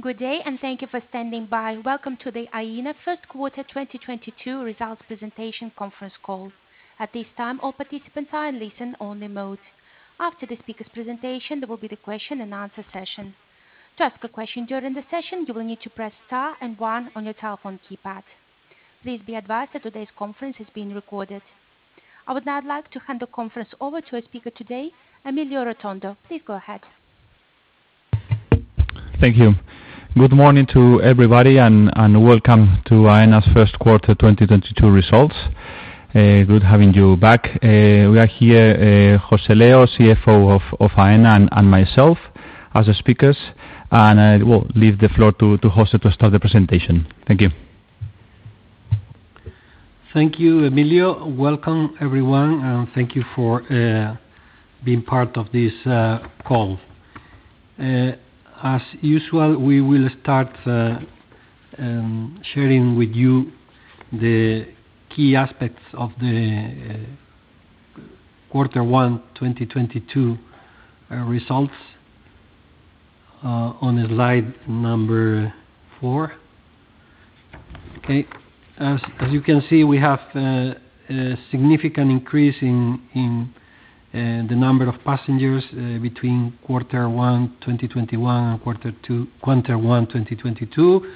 Good day and thank you for standing by. Welcome to the Aena first quarter 2022 results presentation conference call. At this time, all participants are in listen only mode. After the speaker's presentation, there will be the question and answer session. To ask a question during the session, you will need to press star and one on your telephone keypad. Please be advised that today's conference is being recorded. I would now like to hand the conference over to our speaker today, Emilio Rotondo. Please go ahead. Thank you. Good morning to everybody and welcome to Aena's first quarter 2022 results. Good having you back. We are here, José Leo, CFO of Aena, and myself as the speakers. I will leave the floor to José to start the presentation. Thank you. Thank you, Emilio. Welcome everyone, and thank you for being part of this call. As usual, we will start sharing with you the key aspects of the quarter one 2022 results on slide number four. As you can see, we have a significant increase in the number of passengers between quarter one 2021 and quarter one 2022.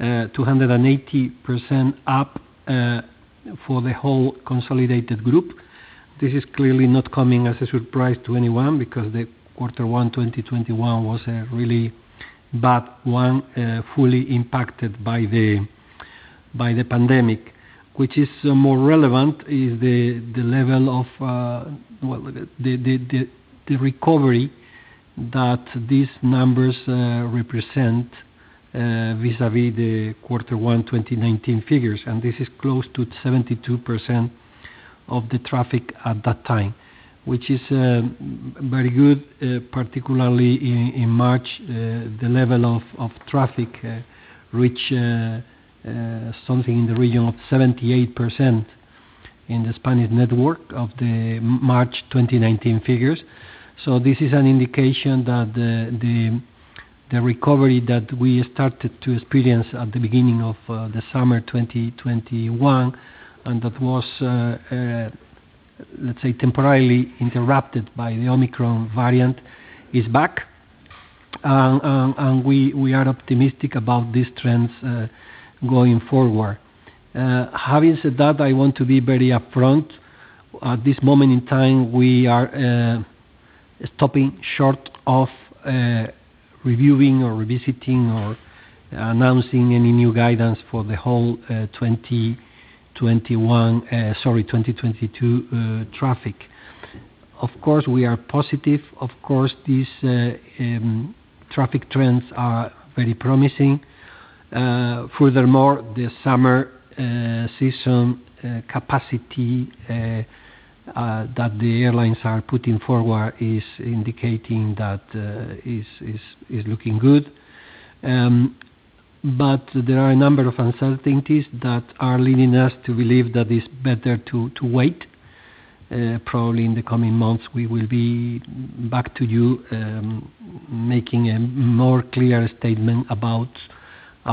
280% up for the whole consolidated group. This is clearly not coming as a surprise to anyone because the quarter one 2021 was a really bad one, fully impacted by the pandemic. Which is more relevant is the level of, well, the recovery that these numbers represent vis-a-vis the quarter one 2019 figures. This is close to 72% of the traffic at that time, which is very good, particularly in March. The level of traffic reached something in the region of 78% in the Spanish network of the March 2019 figures. This is an indication that the recovery that we started to experience at the beginning of the summer 2021 and that was, let's say, temporarily interrupted by the Omicron variant is back. We are optimistic about these trends going forward. Having said that, I want to be very upfront. At this moment in time, we are stopping short of reviewing or revisiting or announcing any new guidance for the whole 2021, sorry, 2022 traffic. Of course, we are positive. Of course, these traffic trends are very promising. Furthermore, the summer season capacity that the airlines are putting forward is indicating that is looking good. There are a number of uncertainties that are leading us to believe that it's better to wait. Probably in the coming months, we will be back to you making a more clear statement about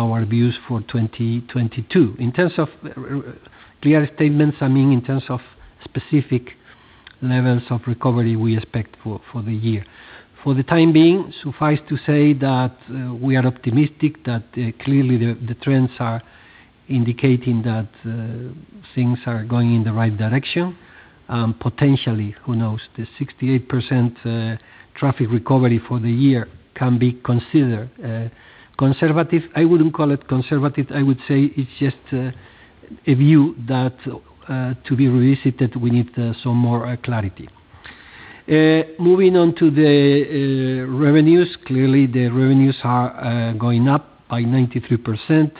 our views for 2022. In terms of clear statements, I mean in terms of specific levels of recovery we expect for the year. For the time being, suffice to say that we are optimistic that clearly the trends are indicating that things are going in the right direction. Potentially, who knows? The 68% traffic recovery for the year can be considered conservative. I wouldn't call it conservative. I would say it's just a view that to be revisited, we need some more clarity. Moving on to the revenues. Clearly, the revenues are going up by 93%.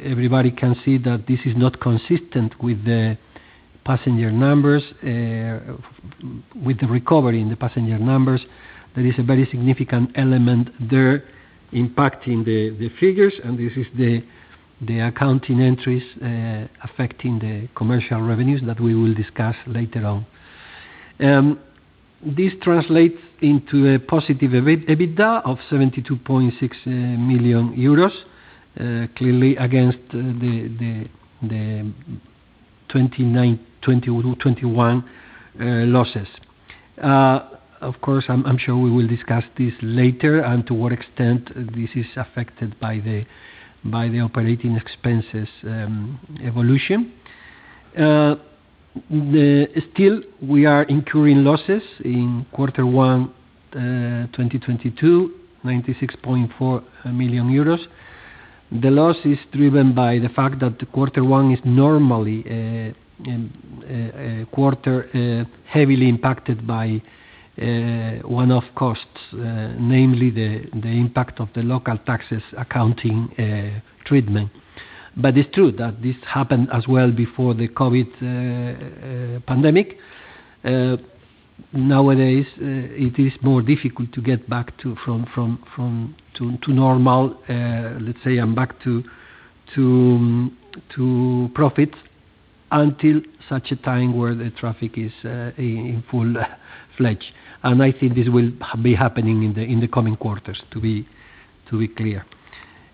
Everybody can see that this is not consistent with the passenger numbers, with the recovery in the passenger numbers. There is a very significant element there impacting the figures, and this is the accounting entries affecting the commercial revenues that we will discuss later on. This translates into a positive EBITDA of EUR 72.6 million, clearly against the 2021 losses. Of course, I'm sure we will discuss this later and to what extent this is affected by the operating expenses evolution. Still, we are incurring losses in quarter one, 2022, 96.4 million euros. The loss is driven by the fact that quarter one is normally a quarter heavily impacted by one-off costs, namely the impact of the local taxes accounting treatment. It's true that this happened as well before the COVID pandemic. Nowadays, it is more difficult to get back to normal, let's say, and back to profit. Until such a time where the traffic is in full-fledged. I think this will be happening in the coming quarters to be clear.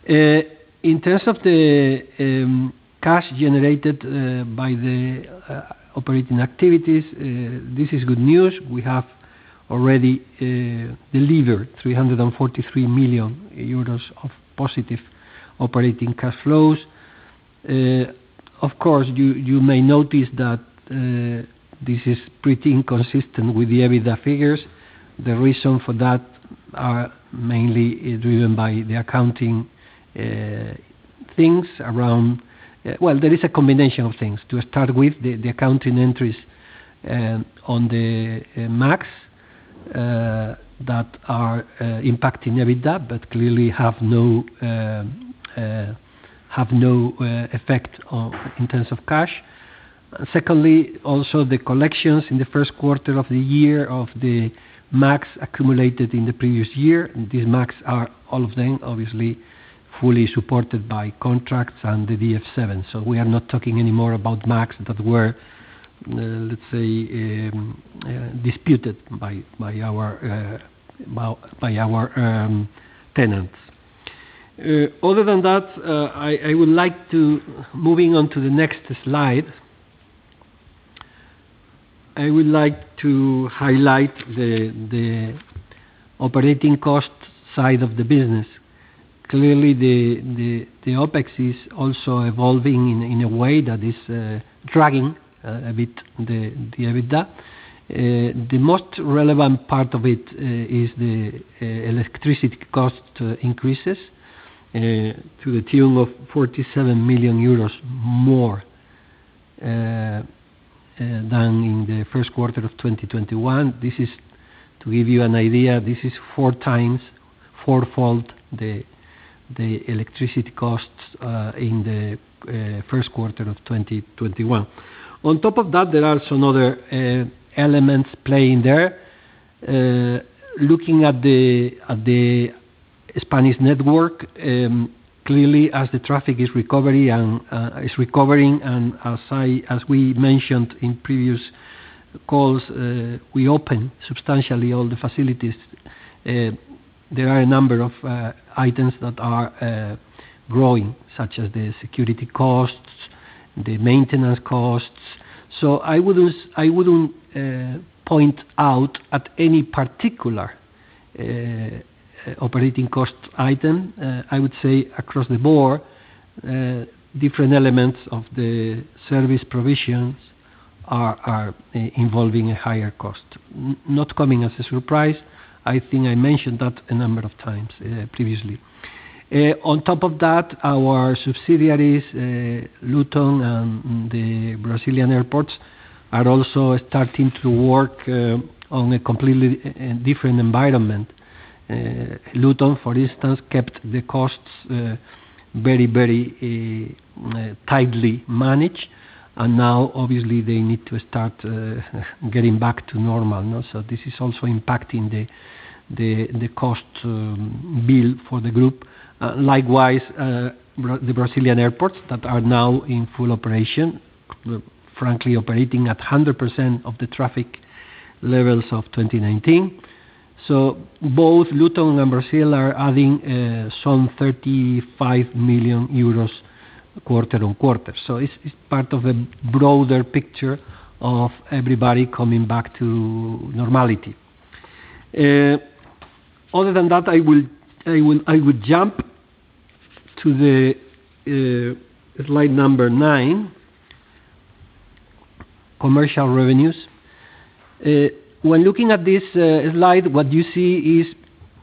In terms of the cash generated by the operating activities, this is good news. We have already delivered 343 million euros of positive operating cash flows. Of course, you may notice that this is pretty inconsistent with the EBITDA figures. The reason for that is mainly driven by the accounting things around. Well, there is a combination of things. To start with, the accounting entries on the MAGs that are impacting EBITDA, but clearly have no effect in terms of cash. Secondly, also the collections in the first quarter of the year of the MAGs accumulated in the previous year, and these MAGs are all of them, obviously, fully supported by contracts and the DF7. So we are not talking anymore about MAGs that were disputed by our tenants. Moving on to the next slide, I would like to highlight the operating cost side of the business. Clearly, the OpEx is also evolving in a way that is dragging a bit the EBITDA. The most relevant part of it is the electricity cost increases to the tune of 47 million euros more than in the first quarter of 2021. To give you an idea, this is fourfold the electricity costs in the first quarter of 2021. On top of that, there are some other elements playing there. Looking at the Spanish network, clearly as the traffic is recovering, and as we mentioned in previous calls, we open substantially all the facilities. There are a number of items that are growing, such as the security costs, the maintenance costs. I wouldn't point out any particular operating cost item. I would say across the board, different elements of the service provisions are involving a higher cost, not coming as a surprise. I think I mentioned that a number of times previously. On top of that, our subsidiaries, Luton and the Brazilian airports, are also starting to work on a completely different environment. Luton, for instance, kept the costs very tightly managed, and now obviously they need to start getting back to normal. This is also impacting the cost bill for the group. Likewise, the Brazilian airports that are now in full operation, frankly, operating at 100% of the traffic levels of 2019. Both Luton and Brazil are adding some 35 million euros quarter-over-quarter. It's part of a broader picture of everybody coming back to normality. Other than that, I would jump to the slide number nine, commercial revenues. When looking at this slide, what you see is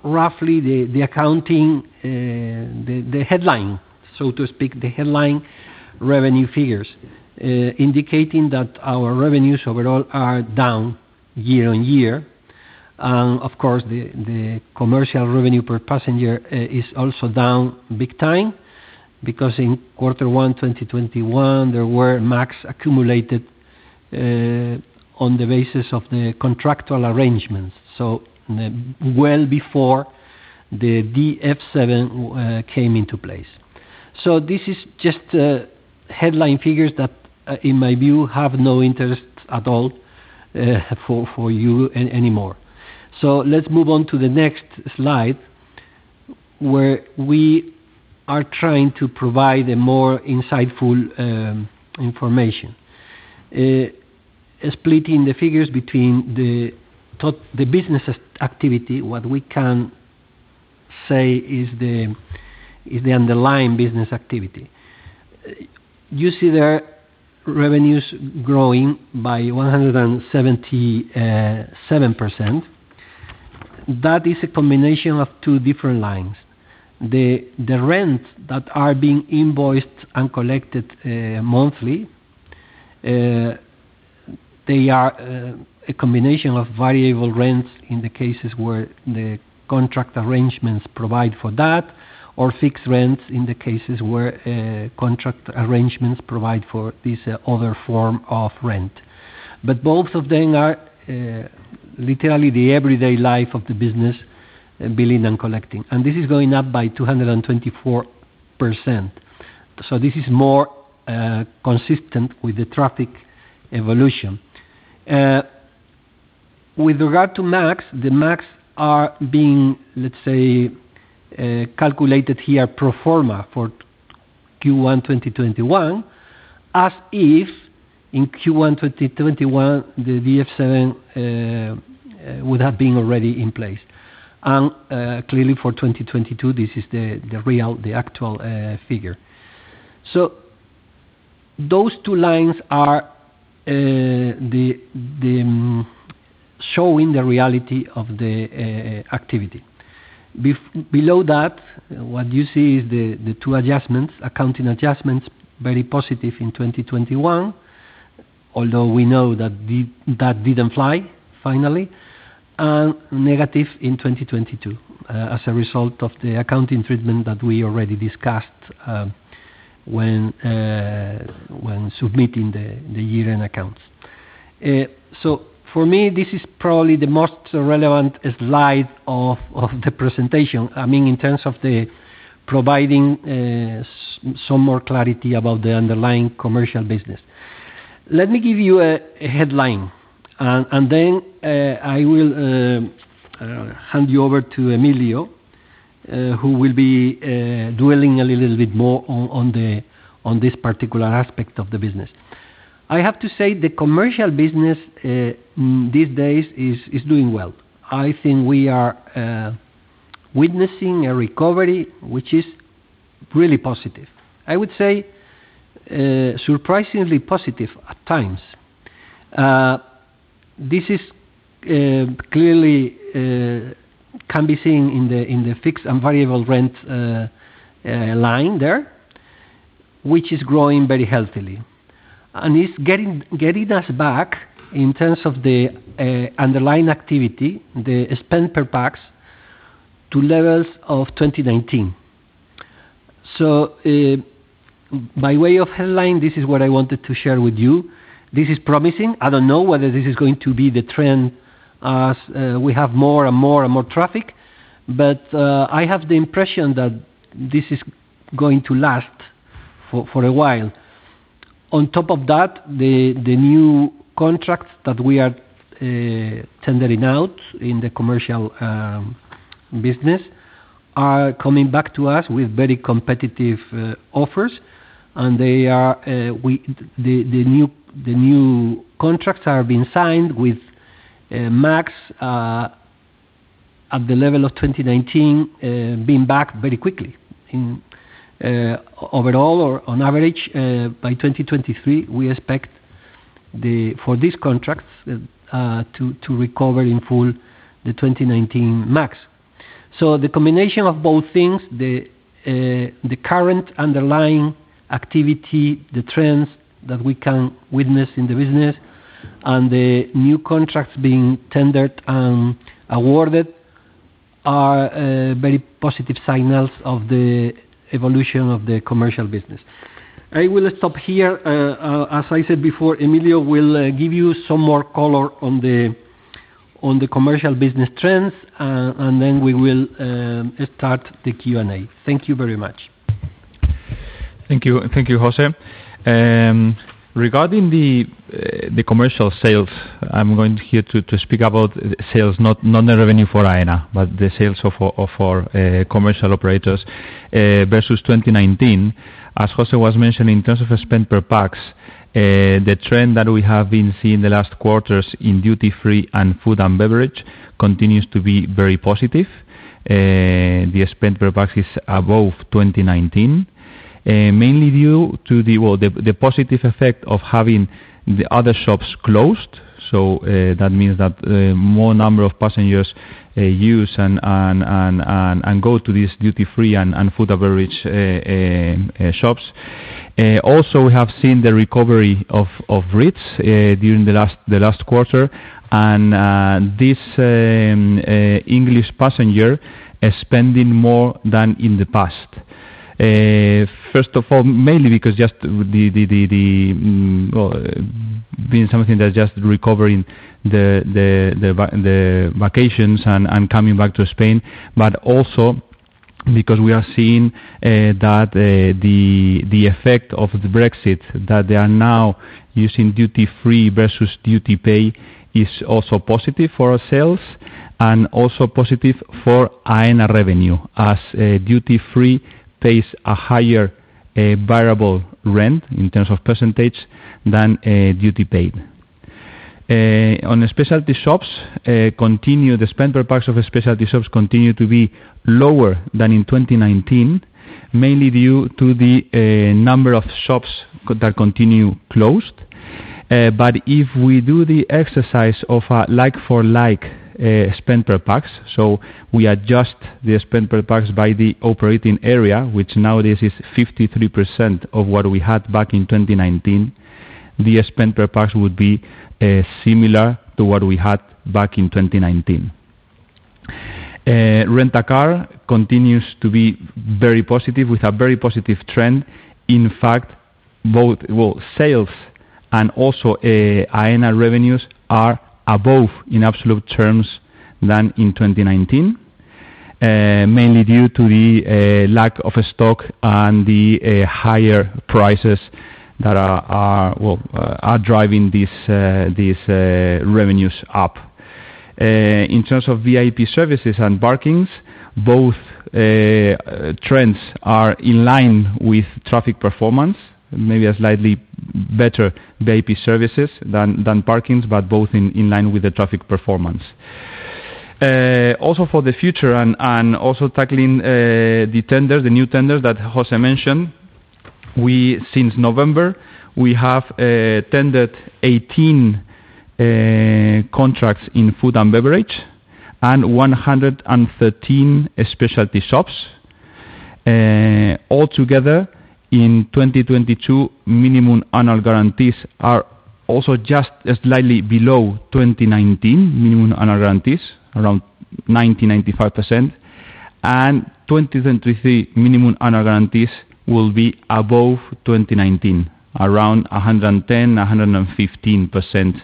roughly the accounting, the headline, so to speak, the headline revenue figures indicating that our revenues overall are down year-over-year. Of course, the commercial revenue per passenger is also down big time because in quarter one 2021, there were MAGs accumulated on the basis of the contractual arrangements, so well before the DF7 came into place. This is just the headline figures that, in my view, have no interest at all for you anymore. Let's move on to the next slide, where we are trying to provide a more insightful information. Splitting the figures between the two, the business activity, what we can say is the underlying business activity. You see their revenues growing by 177%. That is a combination of two different lines. The rent that are being invoiced and collected monthly, they are a combination of variable rents in the cases where the contract arrangements provide for that, or fixed rents in the cases where contract arrangements provide for this other form of rent. Both of them are literally the everyday life of the business, billing and collecting. This is going up by 224%. This is more consistent with the traffic evolution. With regard to MAGs, the MAGs are being, let's say, calculated here pro forma for Q1 2021, as if in Q1 2021, the DF7 would have been already in place. Clearly for 2022, this is the real, the actual figure. Those two lines are showing the reality of the activity. Below that, what you see is the two adjustments, accounting adjustments, very positive in 2021. Although we know that that didn't fly finally, and negative in 2022, as a result of the accounting treatment that we already discussed, when submitting the year-end accounts. For me, this is probably the most relevant slide of the presentation, I mean, in terms of providing some more clarity about the underlying commercial business. Let me give you a headline and then I will hand you over to Emilio, who will be dwelling a little bit more on this particular aspect of the business. I have to say the commercial business these days is doing well. I think we are witnessing a recovery, which is really positive. I would say, surprisingly positive at times. This is clearly can be seen in the fixed and variable rent line there, which is growing very healthily. It's getting us back in terms of the underlying activity, the spend per pax to levels of 2019. By way of headline, this is what I wanted to share with you. This is promising. I don't know whether this is going to be the trend as we have more and more traffic, but I have the impression that this is going to last for a while. On top of that, the new contracts that we are tendering out in the commercial business are coming back to us with very competitive offers, and the new contracts are being signed with MAGs at the level of 2019, being back very quickly in overall or on average by 2023, we expect for these contracts to recover in full the 2019 MAGs. The combination of both things, the current underlying activity, the trends that we can witness in the business and the new contracts being tendered and awarded are very positive signals of the evolution of the commercial business. I will stop here. As I said before, Emilio will give you some more color on the commercial business trends, and then we will start the Q&A. Thank you very much. Thank you. Thank you, José. Regarding the commercial sales, I'm going here to speak about sales, not the revenue for Aena, but the sales of our commercial operators versus 2019. As Jose was mentioning, in terms of spend per pax, the trend that we have been seeing the last quarters in duty free and food and beverage continues to be very positive. The spend per pax is above 2019, mainly due to the positive effect of having the other shops closed. That means that a more number of passengers use and go to these duty free and food and beverage shops. Also, we have seen the recovery of Brits during the last quarter, and this English passenger is spending more than in the past. First of all, mainly because just the well-being something that's just recovering the vacations and coming back to Spain, but also because we are seeing that the effect of the Brexit, that they are now using duty free versus duty paid is also positive for our sales and also positive for Aena revenue as duty free pays a higher variable rent in terms of percentage than duty paid. On the specialty shops, the spend per pax of specialty shops continues to be lower than in 2019, mainly due to the number of shops that continue closed. If we do the exercise of a like for like spend per pax, so we adjust the spend per pax by the operating area, which nowadays is 53% of what we had back in 2019, the spend per pax would be similar to what we had back in 2019. Rent a car continues to be very positive with a very positive trend. In fact, both, well, sales and also, Aena revenues are above in absolute terms than in 2019. Mainly due to the, lack of a stock and the, higher prices that are driving these revenues up. In terms of VIP services and parkings, both trends are in line with traffic performance, maybe slightly better VIP services than parkings, but both in line with the traffic performance. Also for the future and also tackling, the tenders, the new tenders that José mentioned. Since November, we have tendered 18 contracts in food and beverage and 113 specialty shops. All together in 2022 Minimum Annual Guarantees are also just slightly below 2019 Minimum Annual Guarantees around 90%-95%. 2023 Minimum Annual Guarantees will be above 2019, around 110%-115%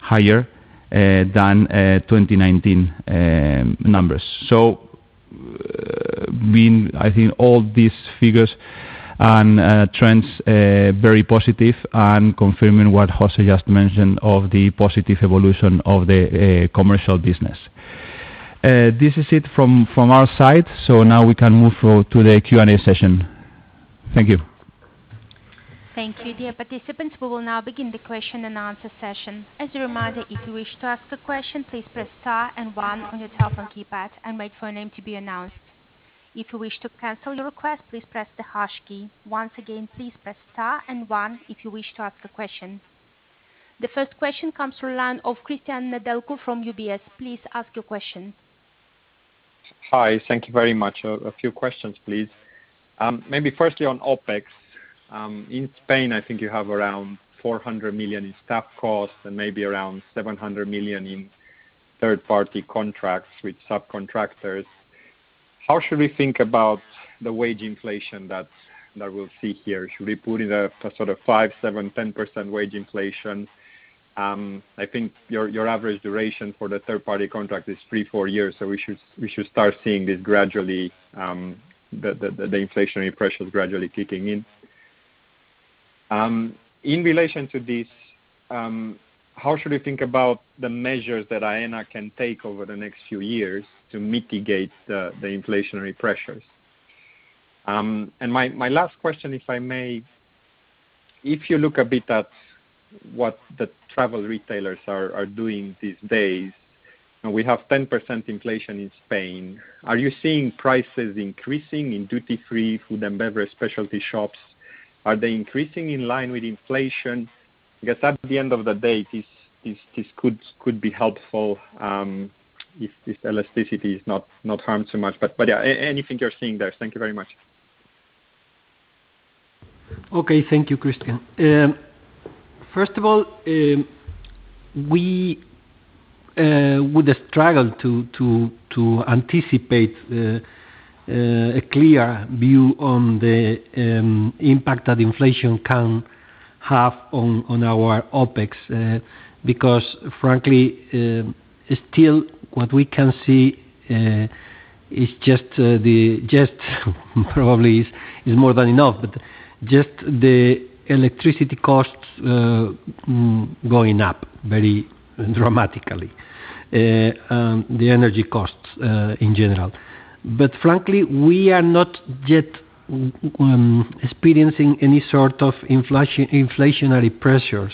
higher than 2019 numbers. I think all these figures and trends very positive and confirming what José just mentioned of the positive evolution of the commercial business. This is it from our side. Now we can move to the Q&A session. Thank you. Thank you. Dear participants, we will now begin the question and answer session. As a reminder, if you wish to ask a question, please press star and one on your telephone keypad and wait for your name to be announced. If you wish to cancel your request, please press the hash key. Once again, please press star and one if you wish to ask a question. The first question comes from the line of Cristian Nedelcu from UBS. Please ask your question. Hi. Thank you very much. A few questions, please. Maybe firstly on OpEx. In Spain, I think you have around 400 million in staff costs and maybe around 700 million in third-party contracts with subcontractors. How should we think about the wage inflation that we'll see here? Should we put in a sort of 5%, 7%, 10% wage inflation? I think your average duration for the third party contract is three to four years. So we should start seeing this gradually, the inflationary pressures gradually kicking in. In relation to this, how should we think about the measures that Aena can take over the next few years to mitigate the inflationary pressures? And my last question, if I may. If you look a bit at what the travel retailers are doing these days, and we have 10% inflation in Spain, are you seeing prices increasing in duty-free food and beverage specialty shops? Are they increasing in line with inflation? Because at the end of the day, this could be helpful if this elasticity is not harmed so much. But yeah, anything you're seeing there. Thank you very much. Okay. Thank you, Cristian. First of all, we would struggle to anticipate a clear view on the impact that inflation can have on our OpEx, because frankly, still what we can see is just probably more than enough, but just the electricity costs going up very dramatically, the energy costs in general. Frankly, we are not yet experiencing any sort of inflationary pressures.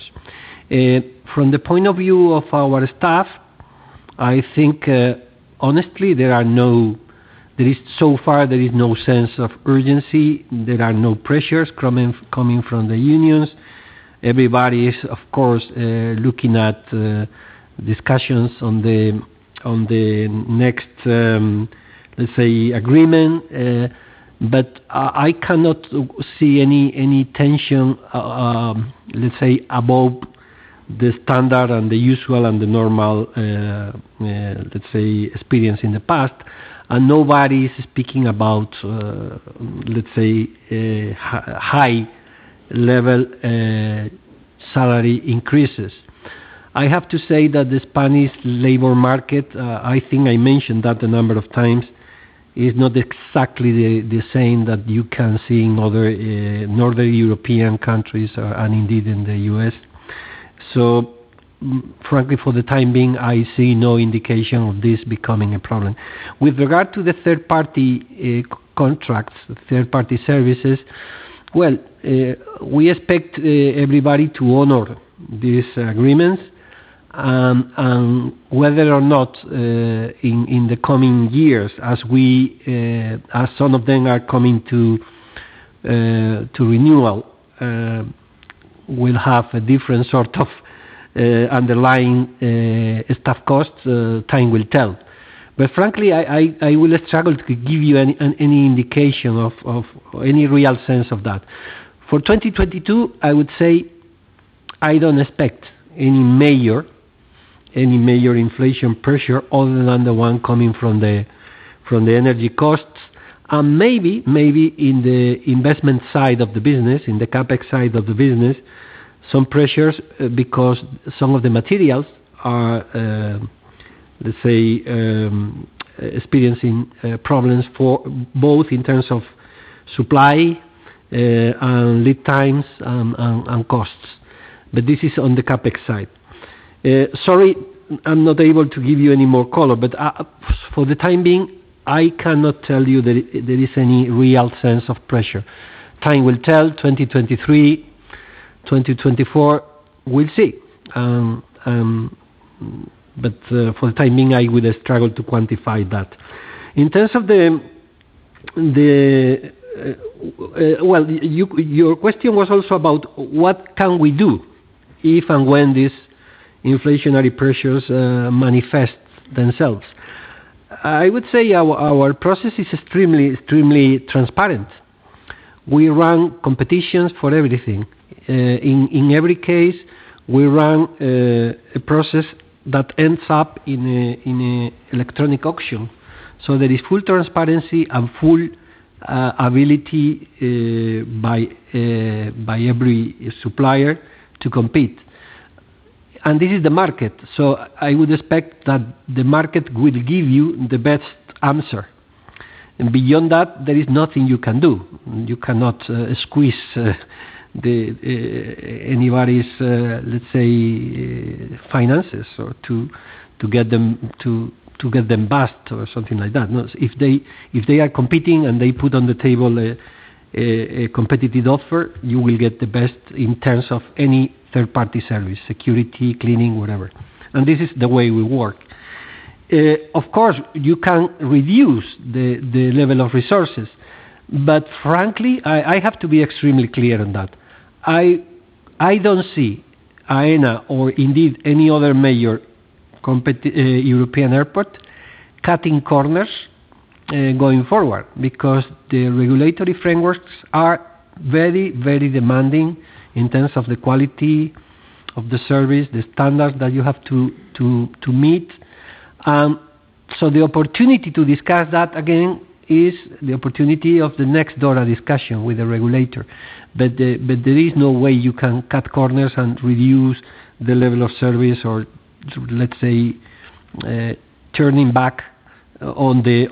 From the point of view of our staff, I think, honestly, there is, so far, no sense of urgency. There are no pressures coming from the unions. Everybody is, of course, looking at discussions on the next, let's say, agreement. I cannot see any tension, let's say, above the standard and the usual and the normal, let's say, experience in the past. Nobody is speaking about, let's say, high level salary increases. I have to say that the Spanish labor market, I think I mentioned that a number of times, is not exactly the same that you can see in other northern European countries and indeed in the U.S. Frankly, for the time being, I see no indication of this becoming a problem. With regard to the third-party contracts, third-party services, we expect everybody to honor these agreements. Whether or not in the coming years as some of them are coming to renewal, we'll have a different sort of underlying staff costs, time will tell. Frankly, I will struggle to give you any indication of any real sense of that. For 2022, I would say I don't expect any major inflation pressure other than the one coming from the energy costs. Maybe in the investment side of the business, in the CapEx side of the business, some pressures because some of the materials are, let's say, experiencing problems for both in terms of supply and lead times and costs. This is on the CapEx side. Sorry, I'm not able to give you any more color, but for the time being, I cannot tell you that there is any real sense of pressure. Time will tell. 2023, 2024, we'll see. But for the time being, I would struggle to quantify that. In terms of the the. Well, your question was also about what can we do if and when these inflationary pressures manifest themselves? I would say our process is extremely transparent. We run competitions for everything. In every case, we run a process that ends up in an electronic auction. So there is full transparency and full ability by every supplier to compete. This is the market, so I would expect that the market will give you the best answer. Beyond that, there is nothing you can do. You cannot squeeze anybody's, let's say, finances or to get them bust or something like that. No. If they are competing and they put on the table a competitive offer, you will get the best in terms of any third-party service, security, cleaning, whatever. This is the way we work. Of course, you can reduce the level of resources, but frankly, I have to be extremely clear on that. I don't see Aena or indeed any other major European airport cutting corners, going forward because the regulatory frameworks are very, very demanding in terms of the quality of the service, the standards that you have to meet. The opportunity to discuss that again is the opportunity of the next DORA discussion with the regulator. There is no way you can cut corners and reduce the level of service or let's say, turning back on the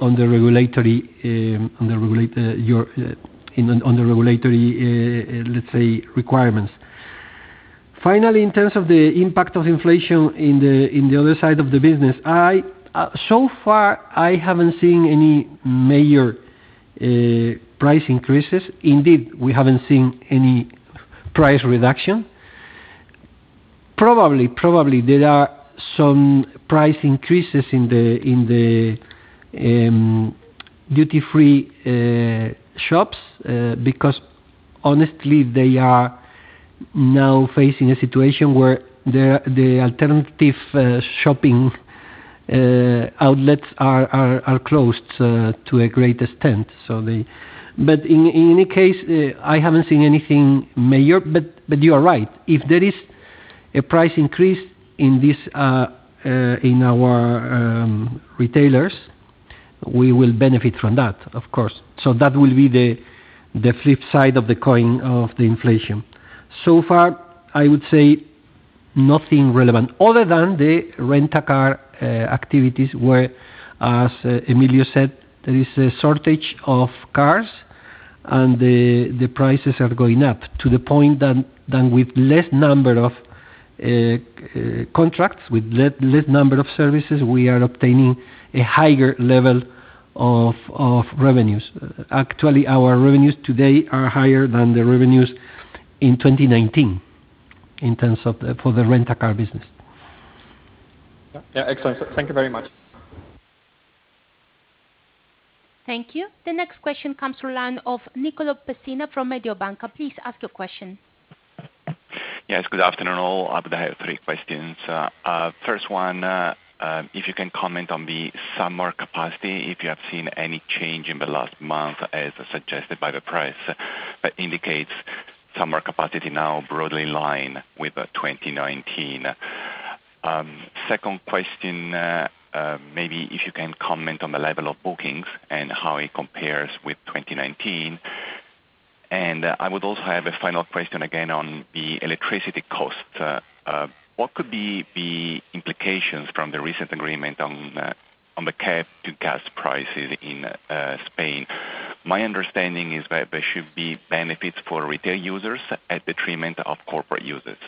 regulatory, let's say requirements. Finally, in terms of the impact of inflation in the other side of the business, so far I haven't seen any major price increases. Indeed, we haven't seen any price reduction. Probably there are some price increases in the duty-free shops, because honestly, they are now facing a situation where the alternative shopping outlets are closed to a great extent. In any case, I haven't seen anything major. You are right, if there is a price increase in our retailers, we will benefit from that, of course. That will be the flip side of the coin of the inflation. So far, I would say nothing relevant other than the car rental activities where, as Emilio said, there is a shortage of cars and the prices are going up to the point that with less number of contracts, with less number of services, we are obtaining a higher level of revenues. Actually, our revenues today are higher than the revenues in 2019 in terms of the for the car rental business. Yeah. Excellent. Thank you very much. Thank you. The next question comes from the line of Nicolo Pessina from Mediobanca. Please ask your question. Yes, good afternoon all. I have three questions. First one, if you can comment on the summer capacity, if you have seen any change in the last month as suggested by the pricing that indicates summer capacity now broadly in line with 2019. Second question, maybe if you can comment on the level of bookings and how it compares with 2019. I would also have a final question again on the electricity costs. What could be the implications from the recent agreement on the cap on gas prices in Spain? My understanding is that there should be benefits for retail users at the detriment of corporate users.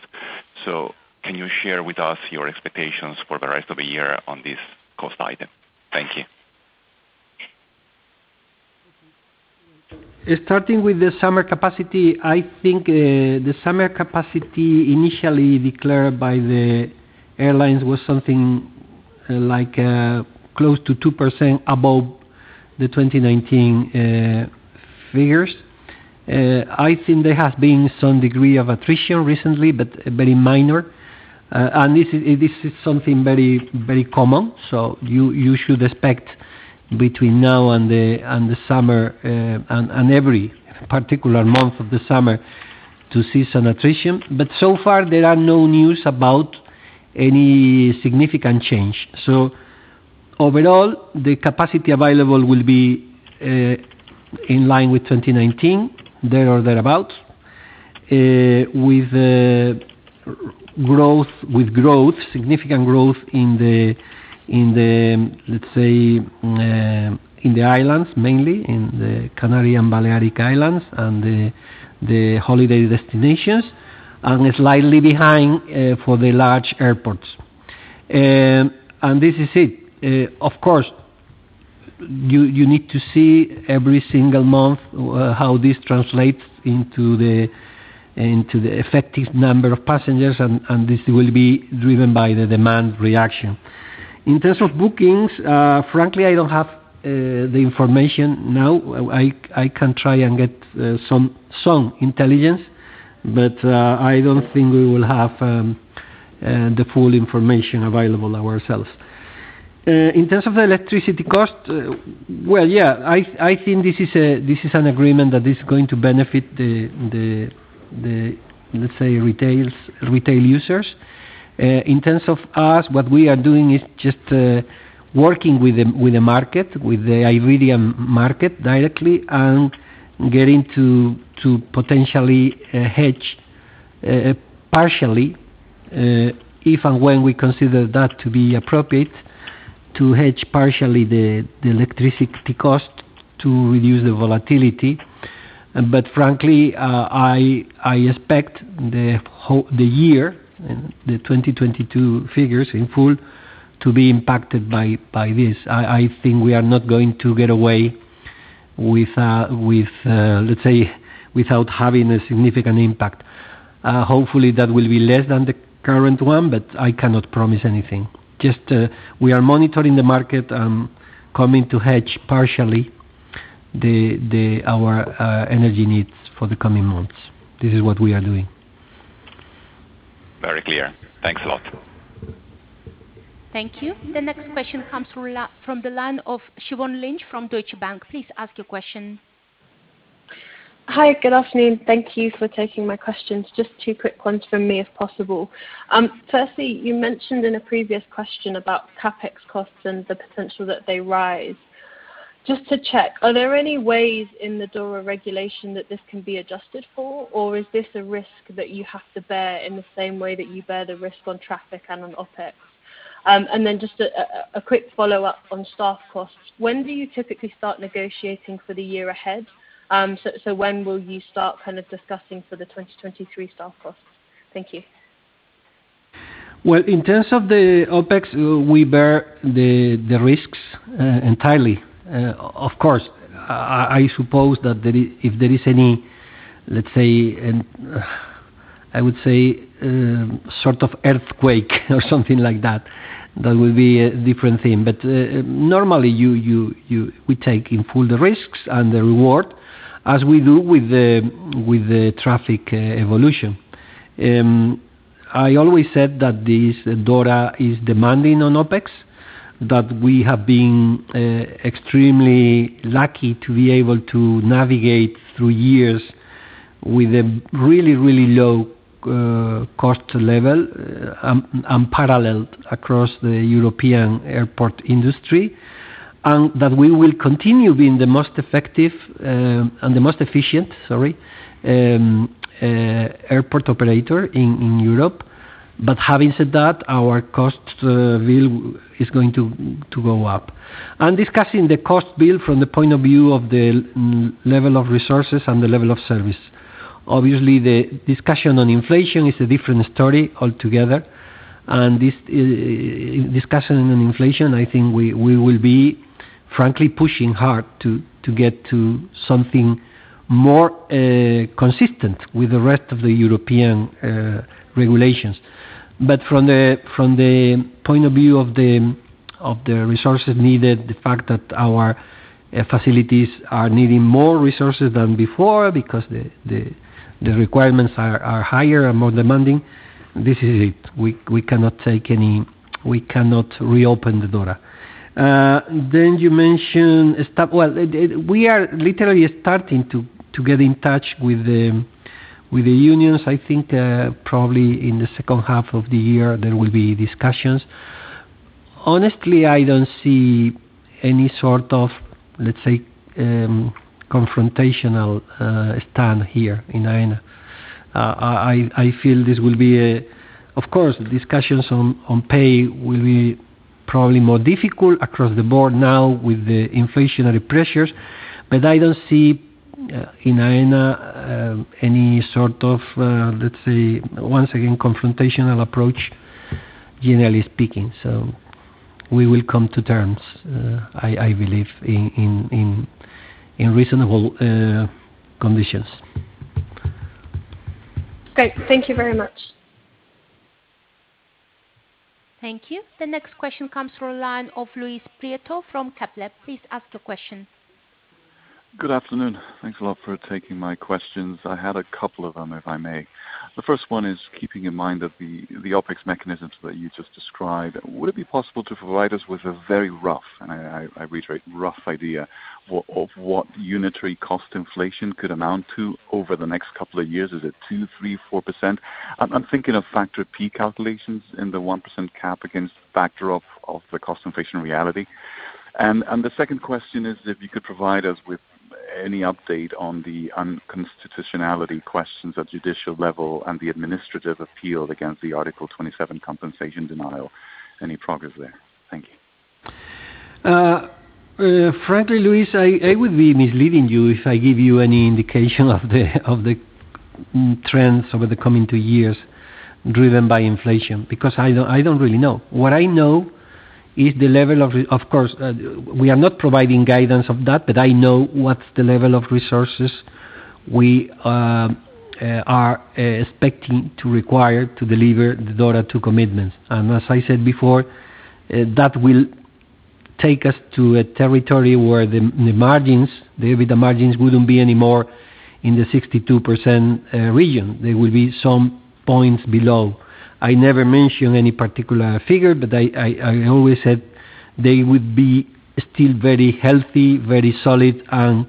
Can you share with us your expectations for the rest of the year on this cost item? Thank you. Starting with the summer capacity, I think, the summer capacity initially declared by the airlines was something like, close to 2% above the 2019 figures. I think there has been some degree of attrition recently, but very minor. This is something very, very common. You should expect between now and the summer, and every particular month of the summer to see some attrition. So far, there are no news about any significant change. Overall, the capacity available will be in line with 2019, there or thereabouts, with significant growth in the, let's say, in the islands, mainly in the Canary and Balearic Islands and the holiday destinations, and slightly behind for the large airports. This is it. Of course, you need to see every single month how this translates into the effective number of passengers, and this will be driven by the demand reaction. In terms of bookings, frankly, I don't have the information now. I can try and get some intelligence, but I don't think we will have the full information available ourselves. In terms of the electricity cost, well, yeah, I think this is an agreement that is going to benefit the, let's say, retail users. In terms of us, what we are doing is just working with the market, with the Iberian market directly and getting to potentially hedge partially if and when we consider that to be appropriate, to hedge partially the electricity cost to reduce the volatility. Frankly, I expect the whole year, the 2022 figures in full to be impacted by this. I think we are not going to get away with, let's say, without having a significant impact. Hopefully, that will be less than the current one, but I cannot promise anything. Just, we are monitoring the market and coming to hedge partially our energy needs for the coming months. This is what we are doing. Very clear. Thanks a lot. Thank you. The next question comes from the line of Siobhan Lynch from Deutsche Bank. Please ask your question. Hi, good afternoon. Thank you for taking my questions. Just two quick ones from me, if possible. Firstly, you mentioned in a previous question about CapEx costs and the potential that they rise. Just to check, are there any ways in the DORA regulation that this can be adjusted for, or is this a risk that you have to bear in the same way that you bear the risk on traffic and on OpEx? Just a quick follow-up on staff costs. When do you typically start negotiating for the year ahead? When will you start kind of discussing for the 2023 staff costs? Thank you. Well, in terms of the OpEx, we bear the risks entirely. Of course, I suppose that if there is any, let's say, I would say, sort of earthquake or something like that would be a different thing. Normally, we take in full the risks and the reward as we do with the traffic evolution. I always said that this DORA is demanding on OpEx, that we have been extremely lucky to be able to navigate through years with a really low cost level, unparalleled across the European airport industry, and that we will continue being the most effective and the most efficient airport operator in Europe. Having said that, our cost bill is going to go up. I'm discussing the cost bill from the point of view of the level of resources and the level of service. Obviously, the discussion on inflation is a different story altogether, and this discussion on inflation, I think we will be, frankly, pushing hard to get to something more consistent with the rest of the European regulations. From the point of view of the resources needed, the fact that our facilities are needing more resources than before because the requirements are higher and more demanding, this is it. We cannot reopen the DORA. Well, we are literally starting to get in touch with the unions. I think probably in the second half of the year, there will be discussions. Honestly, I don't see any sort of, let's say, confrontational stand here in Aena. I feel this will be. Of course, discussions on pay will be probably more difficult across the board now with the inflationary pressures. I don't see in Aena any sort of, let's say, once again, confrontational approach, generally speaking. We will come to terms, I believe in reasonable conditions. Great. Thank you very much. Thank you. The next question comes from the line of Luis Prieto from Kepler. Please ask your question. Good afternoon. Thanks a lot for taking my questions. I had a couple of them, if I may. The first one is keeping in mind that the OpEx mechanisms that you just described, would it be possible to provide us with a very rough, and I reiterate, rough idea of what unitary cost inflation could amount to over the next couple of years? Is it 2%, 3%, 4%? I'm thinking of factor P calculations in the 1% cap against factor of the cost inflation reality. The second question is if you could provide us with any update on the unconstitutionality questions at judicial level and the administrative appeal against the Article 27 compensation denial. Any progress there? Thank you. Frankly, Luis, I would be misleading you if I give you any indication of the trends over the coming two years driven by inflation, because I don't really know. What I know is the level of resources we are expecting to require to deliver the DORA II commitments. As I said before, that will take us to a territory where the margins maybe wouldn't be any more in the 62% region. They will be some points below. I never mention any particular figure, but I always said they would be still very healthy, very solid and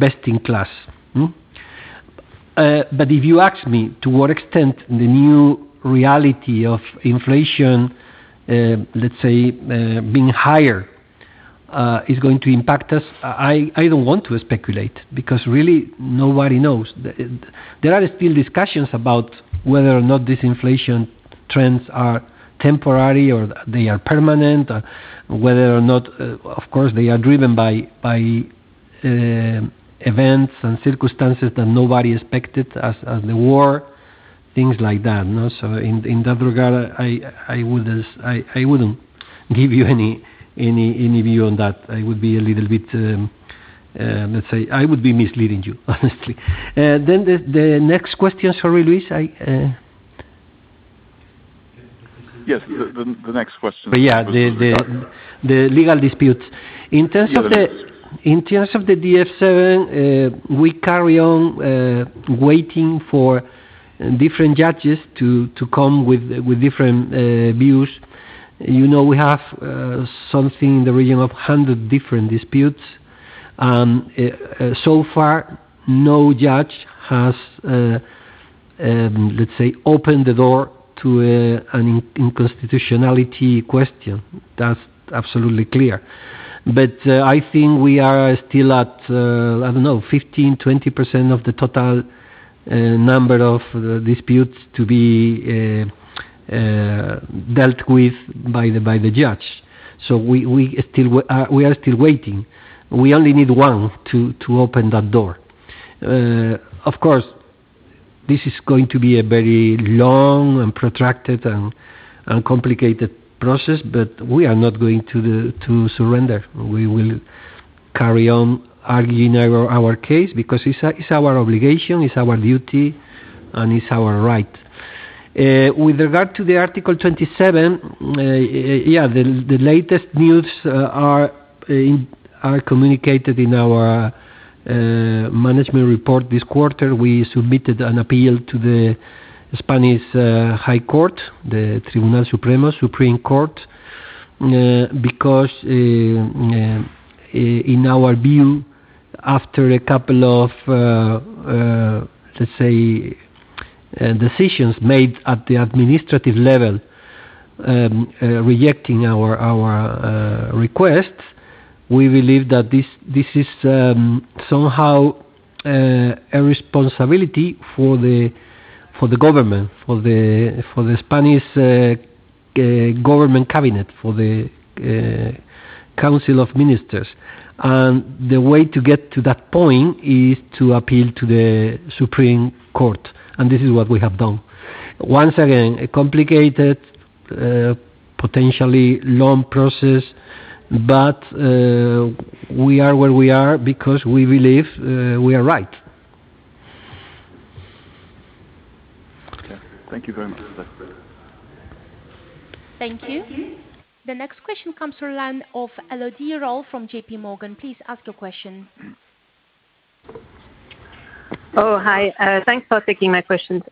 best in class. If you ask me to what extent the new reality of inflation, let's say, being higher, is going to impact us, I don't want to speculate because really, nobody knows. There are still discussions about whether or not these inflation trends are temporary or they are permanent, whether or not, of course, they are driven by events and circumstances that nobody expected, as the war, things like that. You know, in that regard, I wouldn't give you any view on that. I would be a little bit, let's say I would be misleading you, honestly. The next question. Sorry, Luis, I- Yes. The next question. Yeah. The legal disputes. Yeah. In terms of the Article 27, we carry on waiting for different judges to come with different views. You know, we have something in the region of 100 different disputes, so far, no judge has, let's say, opened the door to an unconstitutionality question. That's absolutely clear. I think we are still at, I don't know, 15%-20% of the total number of the disputes to be dealt with by the judge. We are still waiting. We only need one to open that door. Of course, this is going to be a very long and protracted and complicated process, but we are not going to surrender. We will carry on arguing our case because it's our obligation, it's our duty, and it's our right. With regard to the Article 27, the latest news are communicated in our management report this quarter. We submitted an appeal to the Spanish High Court, the Tribunal Supremo, Supreme Court, because in our view, after a couple of, let's say, decisions made at the administrative level, rejecting our request, we believe that this is somehow a responsibility for the government, for the Spanish government cabinet, for the council of ministers. The way to get to that point is to appeal to the Supreme Court, and this is what we have done. Once again, a complicated, potentially long process, but we are where we are because we believe we are right. Okay. Thank you very much. Bye. Thank you. The next question comes from the line of Elodie Rall from JPMorgan. Please ask your question. Oh, hi. Thanks for taking my questions.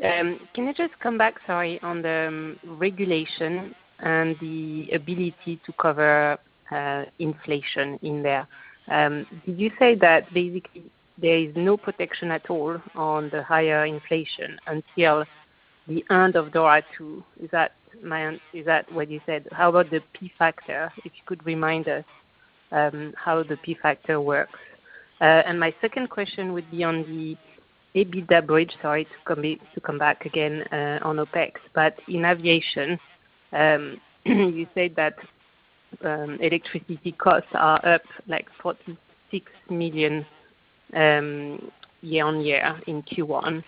Can you just come back, sorry, on the regulation and the ability to cover inflation in there? Did you say that basically there is no protection at all on the higher inflation until the end of DORA II? Is that what you said? How about the P factor? If you could remind us how the P factor works. My second question would be on the EBITDA bridge, sorry, to come back again on OpEx. In aviation, you said that electricity costs are up, like, 46 million year on year in Q1.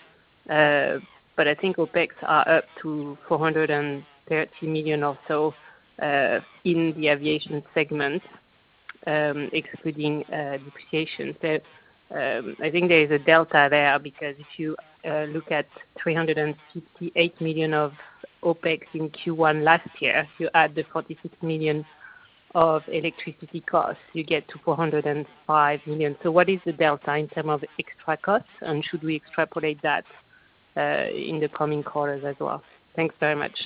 But I think OpEx are up to 430 million or so in the aviation segment, excluding depreciation. I think there is a delta there, because if you look at 368 million of OpEx in Q1 last year, if you add the 46 million of electricity costs, you get to 405 million. What is the delta in terms of extra costs? Should we extrapolate that in the coming quarters as well? Thanks very much.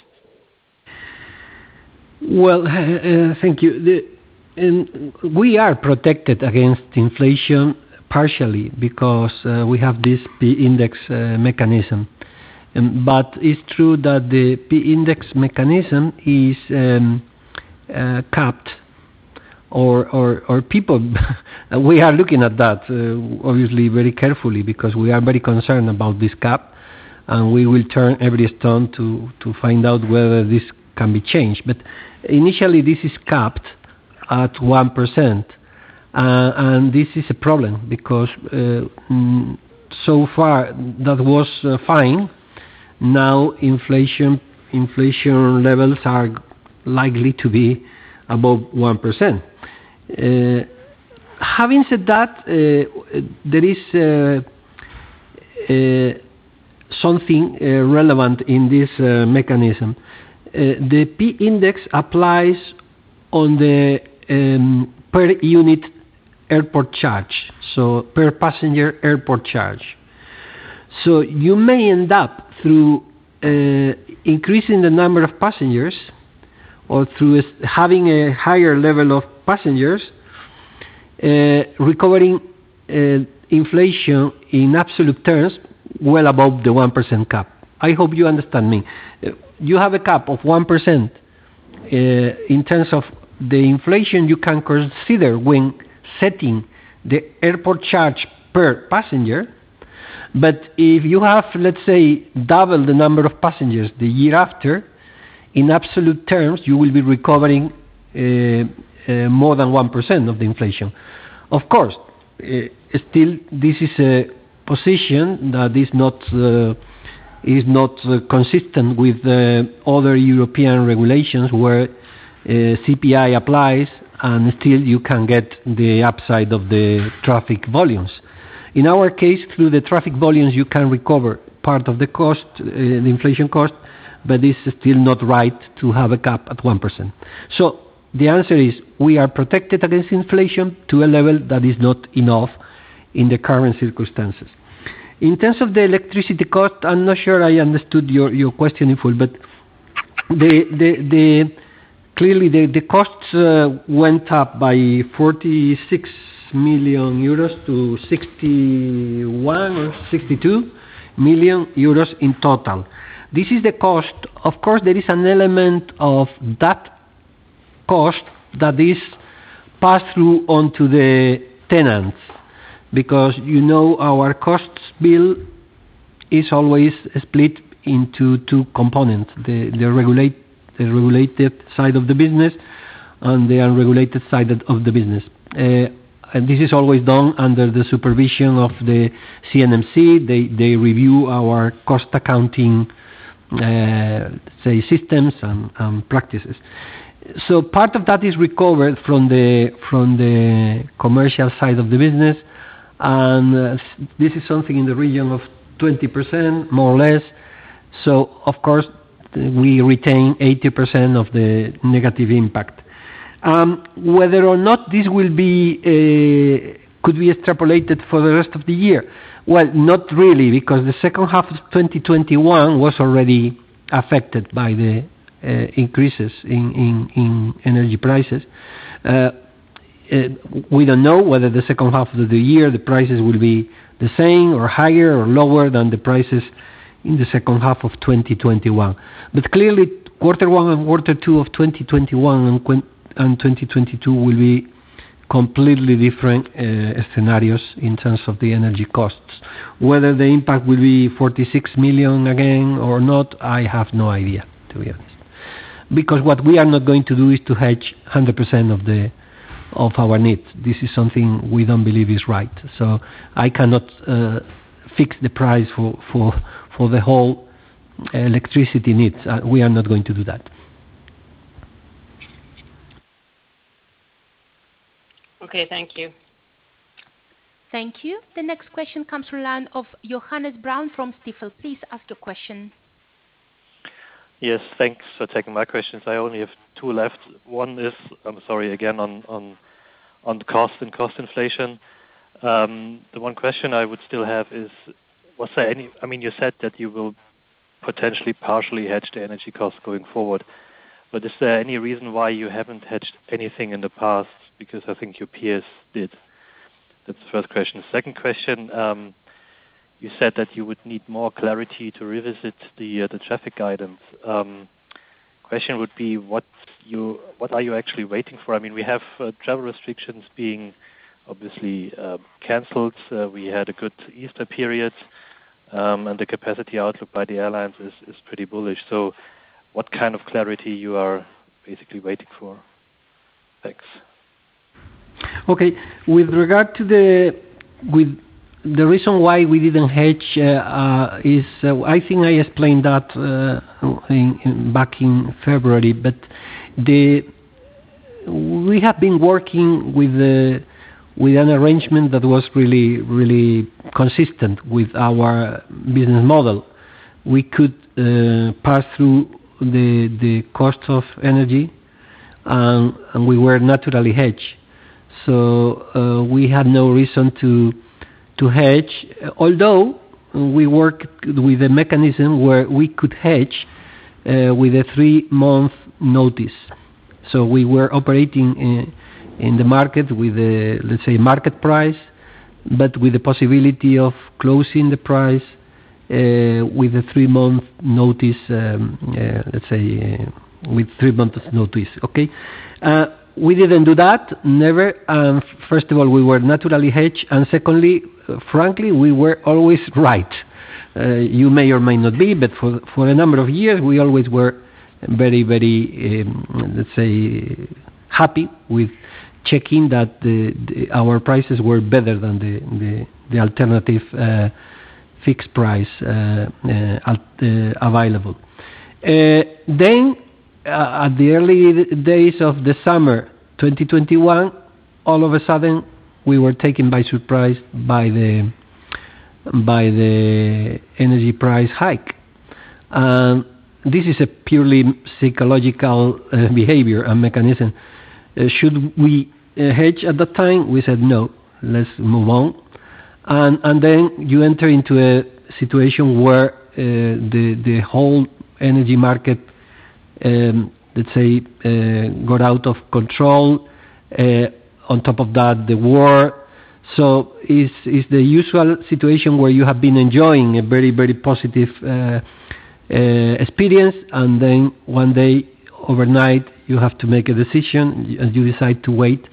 Well, thank you. We are protected against inflation partially because we have this index mechanism. It's true that the index mechanism is capped. We are looking at that obviously very carefully because we are very concerned about this cap, and we will turn every stone to find out whether this can be changed. Initially, this is capped at 1%. This is a problem because so far that was fine. Now inflation levels are likely to be above 1%. Having said that, there is a something relevant in this mechanism. The P index applies on the per unit airport charge, so per passenger airport charge. You may end up through increasing the number of passengers or through having a higher level of passengers recovering inflation in absolute terms, well above the 1% cap. I hope you understand me. You have a cap of 1% in terms of the inflation you can consider when setting the airport charge per passenger. If you have, let's say, double the number of passengers the year after, in absolute terms, you will be recovering more than 1% of the inflation. Of course, still this is a position that is not consistent with the other European regulations where CPI applies, and still you can get the upside of the traffic volumes. In our case, through the traffic volumes, you can recover part of the cost, the inflation cost, but it's still not right to have a cap at 1%. The answer is we are protected against inflation to a level that is not enough in the current circumstances. In terms of the electricity cost, I'm not sure I understood your question in full, but clearly the costs went up by 46 million euros to 61 million or 62 million euros in total. This is the cost. Of course, there is an element of that cost that is passed through on to the tenants because, you know, our costs bill is always split into two components, the regulated side of the business and the unregulated side of the business. And this is always done under the supervision of the CNMC. They review our cost accounting systems and practices. Part of that is recovered from the commercial side of the business, and this is something in the region of 20%, more or less. Of course, we retain 80% of the negative impact. Whether or not this could be extrapolated for the rest of the year. Well, not really, because the second half of 2021 was already affected by the increases in energy prices. We don't know whether the second half of the year, the prices will be the same or higher or lower than the prices in the second half of 2021. Clearly, quarter one and quarter two of 2021 and 2022 will be completely different scenarios in terms of the energy costs. Whether the impact will be 46 million again or not, I have no idea, to be honest. What we are not going to do is to hedge 100% of our needs. This is something we don't believe is right. I cannot fix the price for the whole electricity needs. We are not going to do that. Okay, thank you. Thank you. The next question comes from the line of Johannes Braun from Stifel. Please ask your question. Yes, thanks for taking my questions. I only have two left. One is, I'm sorry again, on cost and cost inflation. The one question I would still have is, I mean, you said that you will potentially partially hedge the energy costs going forward, but is there any reason why you haven't hedged anything in the past? Because I think your peers did. That's the first question. Second question, you said that you would need more clarity to revisit the traffic guidance. Question would be, what are you actually waiting for? I mean, we have travel restrictions being obviously canceled. We had a good Easter period, and the capacity outlook by the airlines is pretty bullish. What kind of clarity you are basically waiting for? Thanks. The reason why we didn't hedge is I think I explained that back in February. We have been working with an arrangement that was really consistent with our business model. We could pass through the cost of energy, and we were naturally hedged. We had no reason to hedge. Although we work with a mechanism where we could hedge with a three-month notice. We were operating in the market with a, let's say, market price, but with the possibility of closing the price with a three-month notice. We didn't do that, never. First of all, we were naturally hedged and secondly, frankly, we were always right. You may or may not be, but for a number of years, we always were very, let's say, happy with checking that our prices were better than the alternative fixed price available. At the early days of the summer 2021, all of a sudden, we were taken by surprise by the energy price hike. This is a purely psychological behavior and mechanism. Should we hedge at that time? We said, "No, let's move on." You enter into a situation where the whole energy market, let's say, got out of control, on top of that, the war. It's the usual situation where you have been enjoying a very positive experience, and then one day overnight, you have to make a decision, and you decide to wait,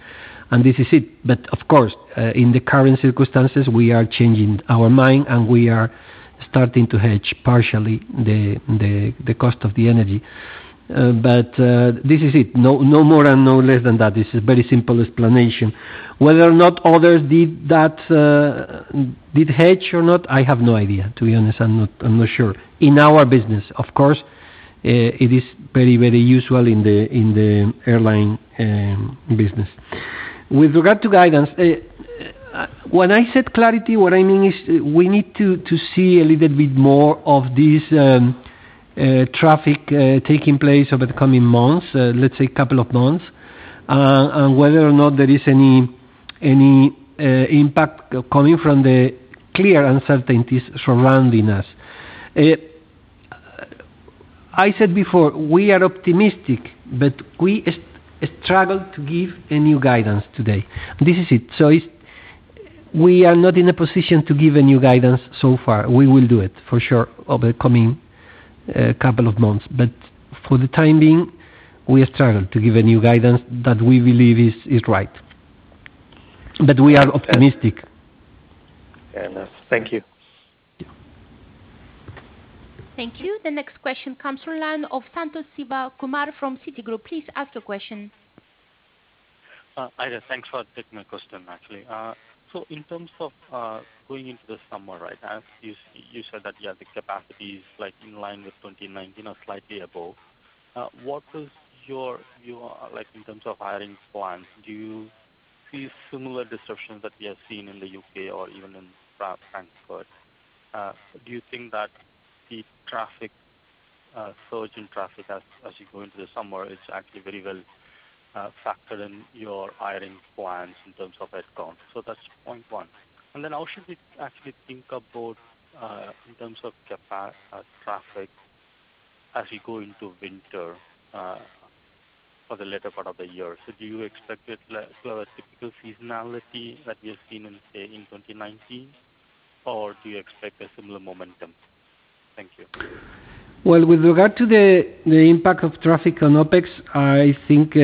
and this is it. Of course, in the current circumstances, we are changing our mind, and we are starting to hedge partially the cost of the energy. This is it. No more and no less than that. This is very simple explanation. Whether or not others did that, did hedge or not, I have no idea. To be honest, I'm not sure. In our business, of course, it is very usual in the airline business. With regard to guidance, when I said clarity, what I mean is we need to see a little bit more of this traffic taking place over the coming months, let's say couple of months, and whether or not there is any impact coming from the current uncertainties surrounding us. I said before, we are optimistic, but we struggle to give a new guidance today. This is it. We are not in a position to give a new guidance so far. We will do it for sure over the coming couple of months. For the time being, we struggle to give a new guidance that we believe is right. We are optimistic. Fair enough. Thank you. Thank you. The next question comes from the line of Sathish Sivakumar from Citigroup. Please ask your question. Hi there, thanks for taking my question, actually. In terms of going into the summer, right? As you said that, yeah, the capacity is like in line with 2019 or slightly above. What is your view in terms of hiring plans? Do you see similar disruptions that we have seen in the U.K. or even in Frankfurt? Do you think that the traffic surge in traffic as you go into the summer is actually very well factored in your hiring plans in terms of headcount? That's point one. How should we actually think about in terms of traffic as we go into winter for the latter part of the year? Do you expect it to have a typical seasonality that we have seen in, say, 2019? Do you expect a similar momentum? Thank you. Well, with regard to the impact of traffic on OpEx, I think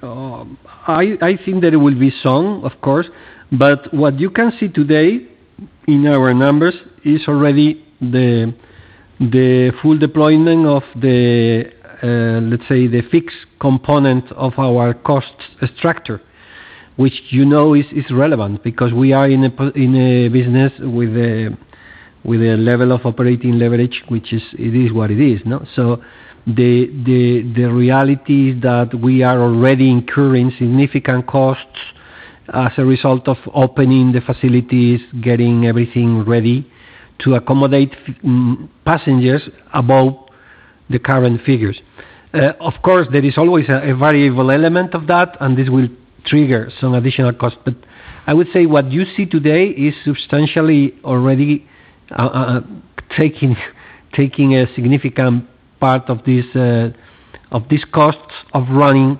that it will be some, of course, but what you can see today in our numbers is already the full deployment of, let's say, the fixed component of our cost structure, which you know is relevant because we are in a business with a level of operating leverage, which is, it is what it is, no? The reality is that we are already incurring significant costs as a result of opening the facilities, getting everything ready to accommodate passengers above the current figures. Of course, there is always a variable element of that, and this will trigger some additional costs. I would say what you see today is substantially already taking a significant part of these costs of running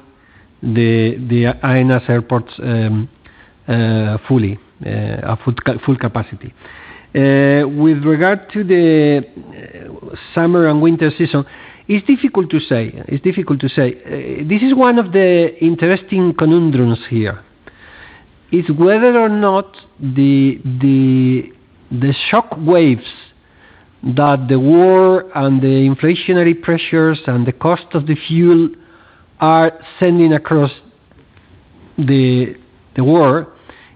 the Aena's airports fully at full capacity. With regard to the summer and winter season, it's difficult to say. This is one of the interesting conundrums here, is whether or not the shock waves that the war and the inflationary pressures and the cost of the fuel are sending across the world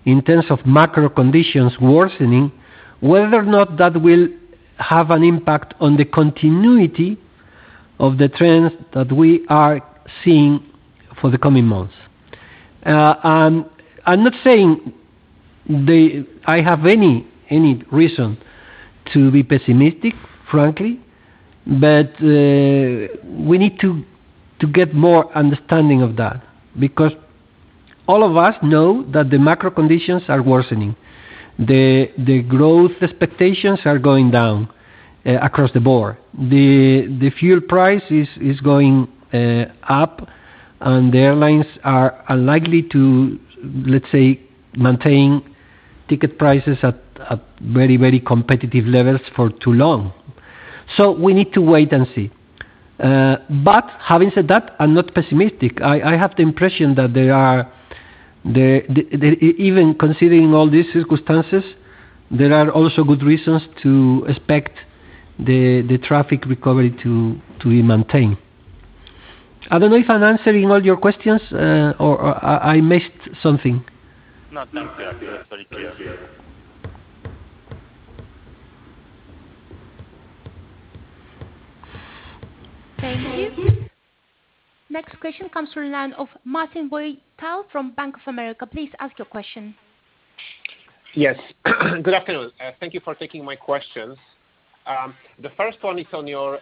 in terms of macro conditions worsening, whether or not that will have an impact on the continuity of the trends that we are seeing for the coming months. I'm not saying I have any reason to be pessimistic, frankly. We need to get more understanding of that because all of us know that the macro conditions are worsening. The growth expectations are going down across the board. The fuel price is going up, and the airlines are unlikely to, let's say, maintain ticket prices at very competitive levels for too long. We need to wait and see. Having said that, I'm not pessimistic. I have the impression that even considering all these circumstances, there are also good reasons to expect the traffic recovery to be maintained. I don't know if I'm answering all your questions or I missed something. No, thank you. That's very clear. Thank you. Next question comes from the line of Marcin Wojtal from Bank of America. Please ask your question. Yes. Good afternoon. Thank you for taking my questions. The first one is on your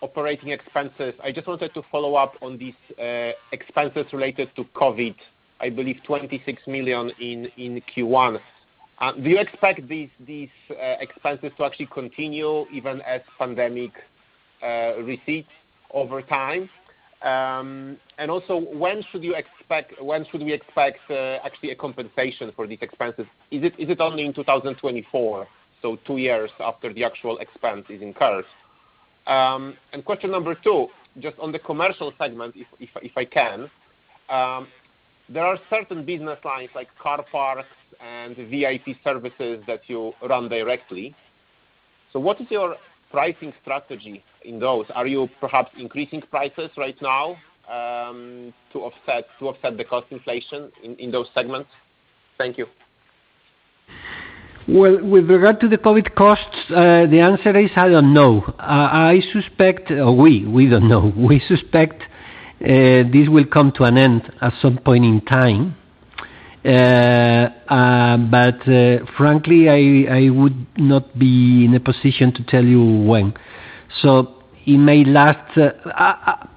operating expenses. I just wanted to follow-up on these expenses related to COVID, I believe 26 million in Q1. Do you expect these expenses to actually continue even as pandemic recedes over time? Also, when should we expect actually a compensation for these expenses? Is it only in 2024, so two years after the actual expense is incurred? Question number two, just on the commercial segment if I can. There are certain business lines like car parks and VIP services that you run directly. What is your pricing strategy in those? Are you perhaps increasing prices right now, to offset the cost inflation in those segments? Thank you. Well, with regard to the COVID costs, the answer is, I don't know. We don't know. We suspect this will come to an end at some point in time. Frankly, I would not be in a position to tell you when. It may last.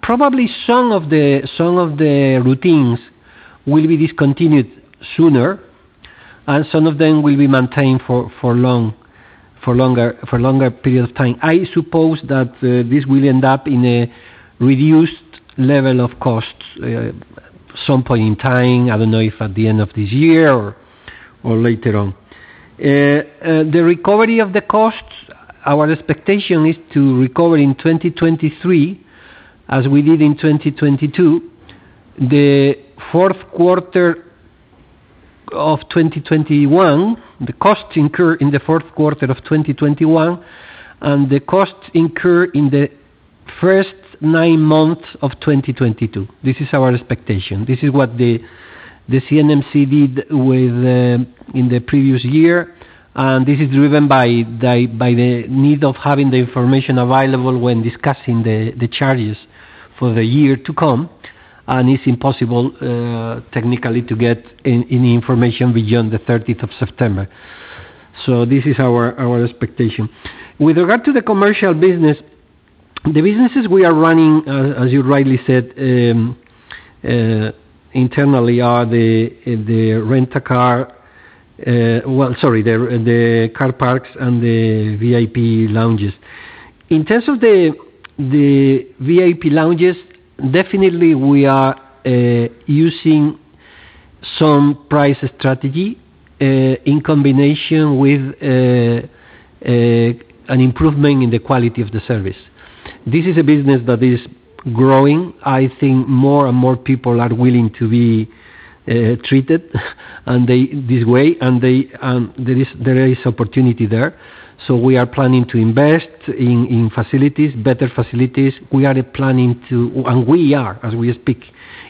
Probably some of the routines will be discontinued sooner, and some of them will be maintained for longer period of time. I suppose that this will end up in a reduced level of costs at some point in time. I don't know if at the end of this year or later on. The recovery of the costs, our expectation is to recover in 2023, as we did in 2022, the fourth quarter of 2021, the costs incurred in the fourth quarter of 2021, and the costs incurred in the first nine months of 2022. This is our expectation. This is what the CNMC did within the previous year, and this is driven by the need of having the information available when discussing the charges for the year to come, and it's impossible technically to get any information beyond the 13th of September. This is our expectation. With regard to the commercial business, the businesses we are running, as you rightly said, internally are the rent-a-car, the car parks and the VIP lounges. In terms of the VIP lounges, definitely we are using some price strategy in combination with an improvement in the quality of the service. This is a business that is growing. I think more and more people are willing to be treated this way, and there is opportunity there. We are planning to invest in better facilities. We are, as we speak,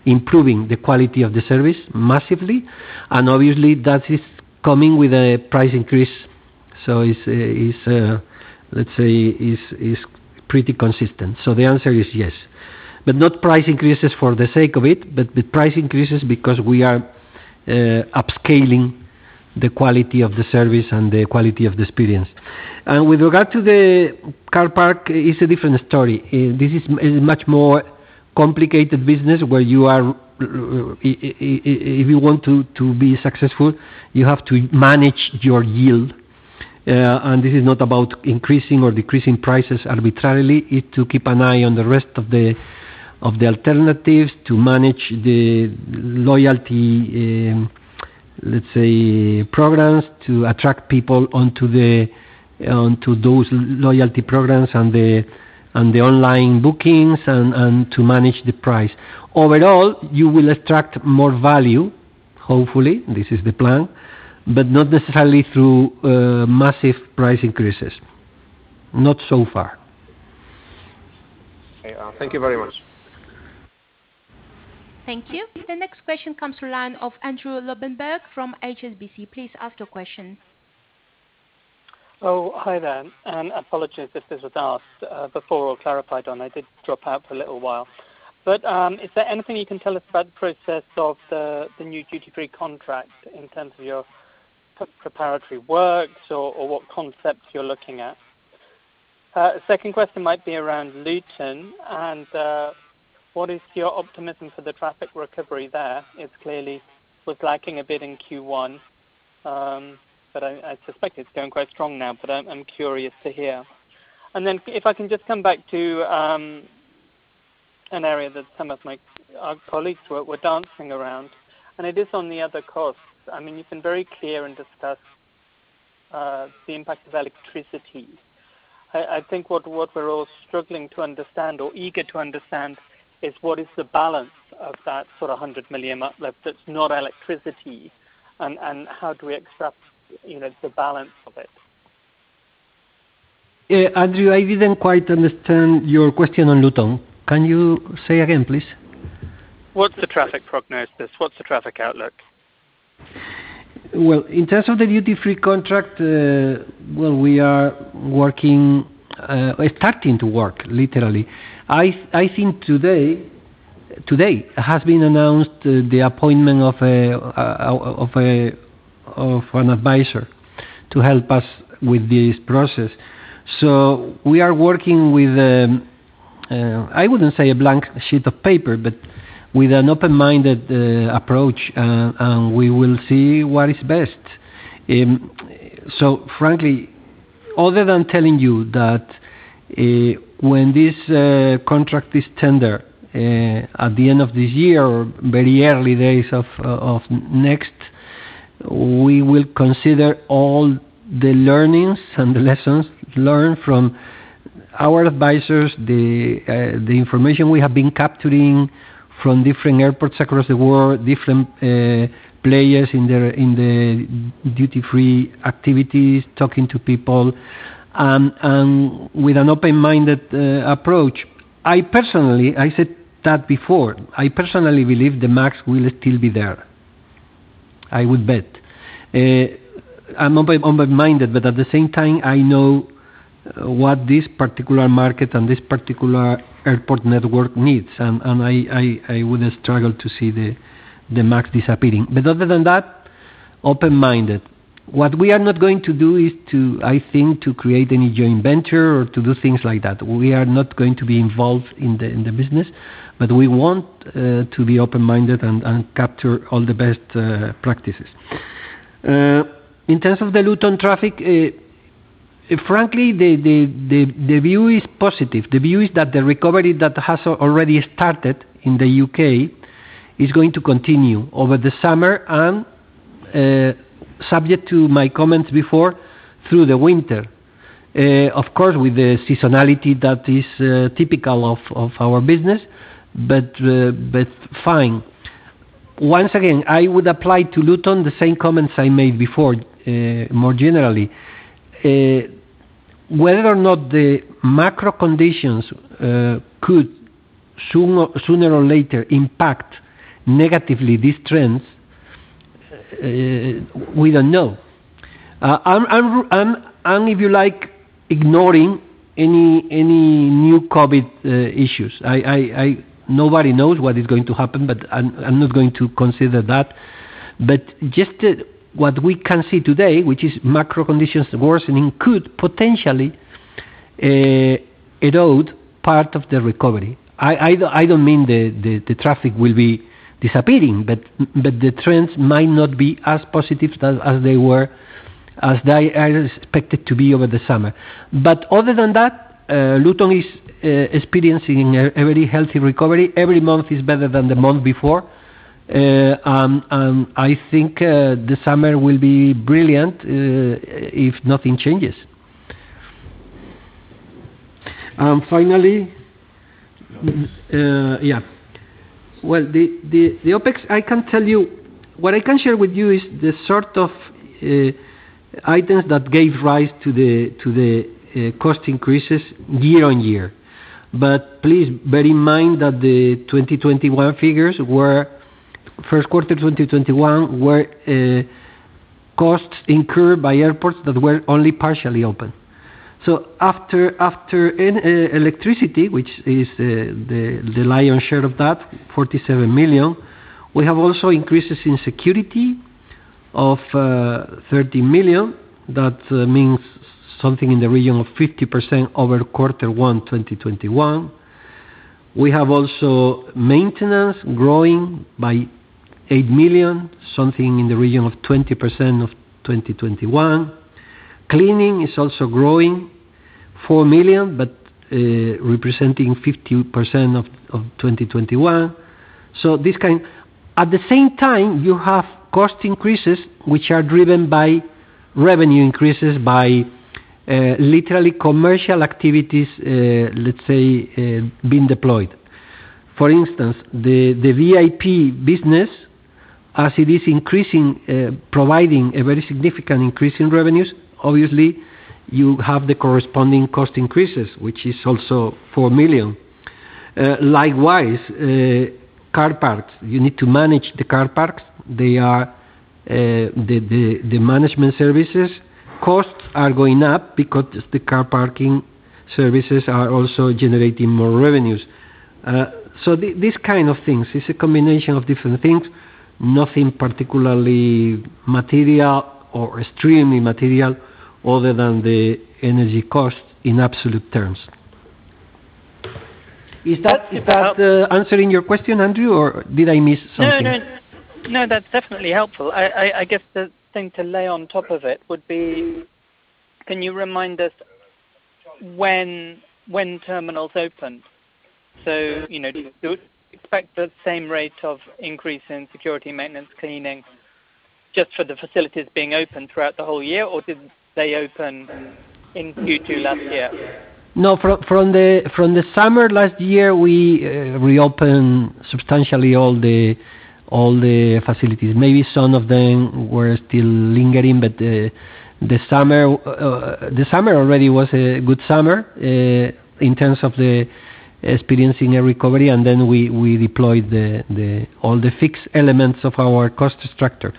improving the quality of the service massively, and obviously, that is coming with a price increase. It's, let's say, pretty consistent. The answer is yes. Not price increases for the sake of it, but the price increases because we are upscaling the quality of the service and the quality of the experience. With regard to the car park, it's a different story. This is much more complicated business where you are, if you want to be successful, you have to manage your yield. This is not about increasing or decreasing prices arbitrarily. It's to keep an eye on the rest of the alternatives, to manage the loyalty programs, to attract people onto those loyalty programs and the online bookings and to manage the price. Overall, you will attract more value, hopefully. This is the plan. Not necessarily through massive price increases. Not so far. Okay. Thank you very much. Thank you. The next question comes from the line of Andrew Lobbenberg from HSBC. Please ask your question. Oh, hi there. Apologies if this was asked before or clarified on. I did drop out for a little while. Is there anything you can tell us about the process of the new duty-free contract in terms of your preparatory works or what concepts you're looking at? Second question might be around Luton and what is your optimism for the traffic recovery there? It clearly was lagging a bit in Q1, but I suspect it's going quite strong now, but I'm curious to hear. If I can just come back to an area that some of our colleagues were dancing around, and it is on the other costs. I mean, you've been very clear and discussed the impact of electricity. I think what we're all struggling to understand or eager to understand is what is the balance of that sort of 100 million that's not electricity, and how do we accept, you know, the balance of it? Yeah, Andrew, I didn't quite understand your question on Luton. Can you say again, please? What's the traffic prognosis? What's the traffic outlook? Well, in terms of the duty-free contract, we are working, literally. I think today has been announced the appointment of an advisor to help us with this process. We are working with, I wouldn't say a blank sheet of paper, but with an open-minded approach, and we will see what is best. Frankly, other than telling you that, when this contract is tender, at the end of this year or very early days of next, we will consider all the learnings and the lessons learned from our advisors, the information we have been capturing from different airports across the world, different players in the duty-free activities, talking to people, and with an open-minded approach. I personally said that before. I personally believe the MAGs will still be there. I would bet. I'm open-minded, but at the same time, I know what this particular market and this particular airport network needs, and I wouldn't struggle to see the MAGs disappearing. But other than that, open-minded. What we are not going to do is, I think, create any joint venture or do things like that. We are not going to be involved in the business, but we want to be open-minded and capture all the best practices. In terms of the Luton traffic, frankly, the view is positive. The view is that the recovery that has already started in the U.K. is going to continue over the summer and, subject to my comments before, through the winter. Of course, with the seasonality that is typical of our business, but fine. Once again, I would apply to Luton the same comments I made before, more generally. Whether or not the macro conditions could sooner or later impact negatively these trends, we don't know. I'm, if you like, ignoring any new COVID issues. Nobody knows what is going to happen, but I'm not going to consider that. Just what we can see today, which is macro conditions worsening, could potentially erode part of the recovery. I don't mean the traffic will be disappearing, but the trends might not be as positive as they are expected to be over the summer. Other than that, Luton is experiencing a very healthy recovery. Every month is better than the month before. I think the summer will be brilliant if nothing changes. Finally, the OpEx. What I can share with you is the sort of items that gave rise to the cost increases year-over-year. Please bear in mind that the 2021 figures were first quarter 2021 costs incurred by airports that were only partially open. After electricity, which is the lion's share of that, 47 million, we have also increases in security of 30 million. That means something in the region of 50% over quarter one, 2021. We have also maintenance growing by 8 million, something in the region of 20% of 2021. Cleaning is also growing, 4 million, but representing 50% of 2021. This can. At the same time, you have cost increases which are driven by revenue increases by literally commercial activities, let's say, being deployed. For instance, the VIP business, as it is increasing, providing a very significant increase in revenues, obviously, you have the corresponding cost increases, which is also 4 million. Likewise, car parks. You need to manage the car parks. They are the management services. Costs are going up because the car parking services are also generating more revenues. So these kind of things. It's a combination of different things, nothing particularly material or extremely material other than the energy costs in absolute terms. Is that answering your question, Andrew, or did I miss something? No, that's definitely helpful. I guess the thing to lay on top of it would be, can you remind us when terminals open? You know, do you expect the same rate of increase in security, maintenance, cleaning just for the facilities being open throughout the whole year, or did they open in Q2 last year? No. From the summer last year, we opened substantially all the facilities. Maybe some of them were still lingering, but the summer already was a good summer in terms of experiencing a recovery, and then we deployed all the fixed elements of our cost structure.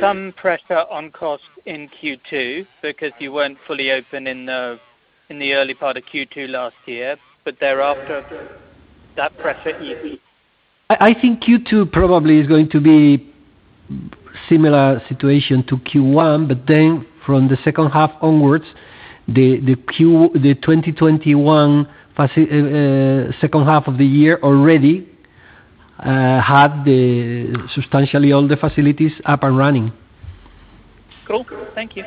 Some pressure on costs in Q2 because you weren't fully open in the early part of Q2 last year, but thereafter, that pressure eases. I think Q2 probably is going to be similar situation to Q1. From the second half onwards, the second half of the year already had substantially all the facilities up and running. Cool. Thank you.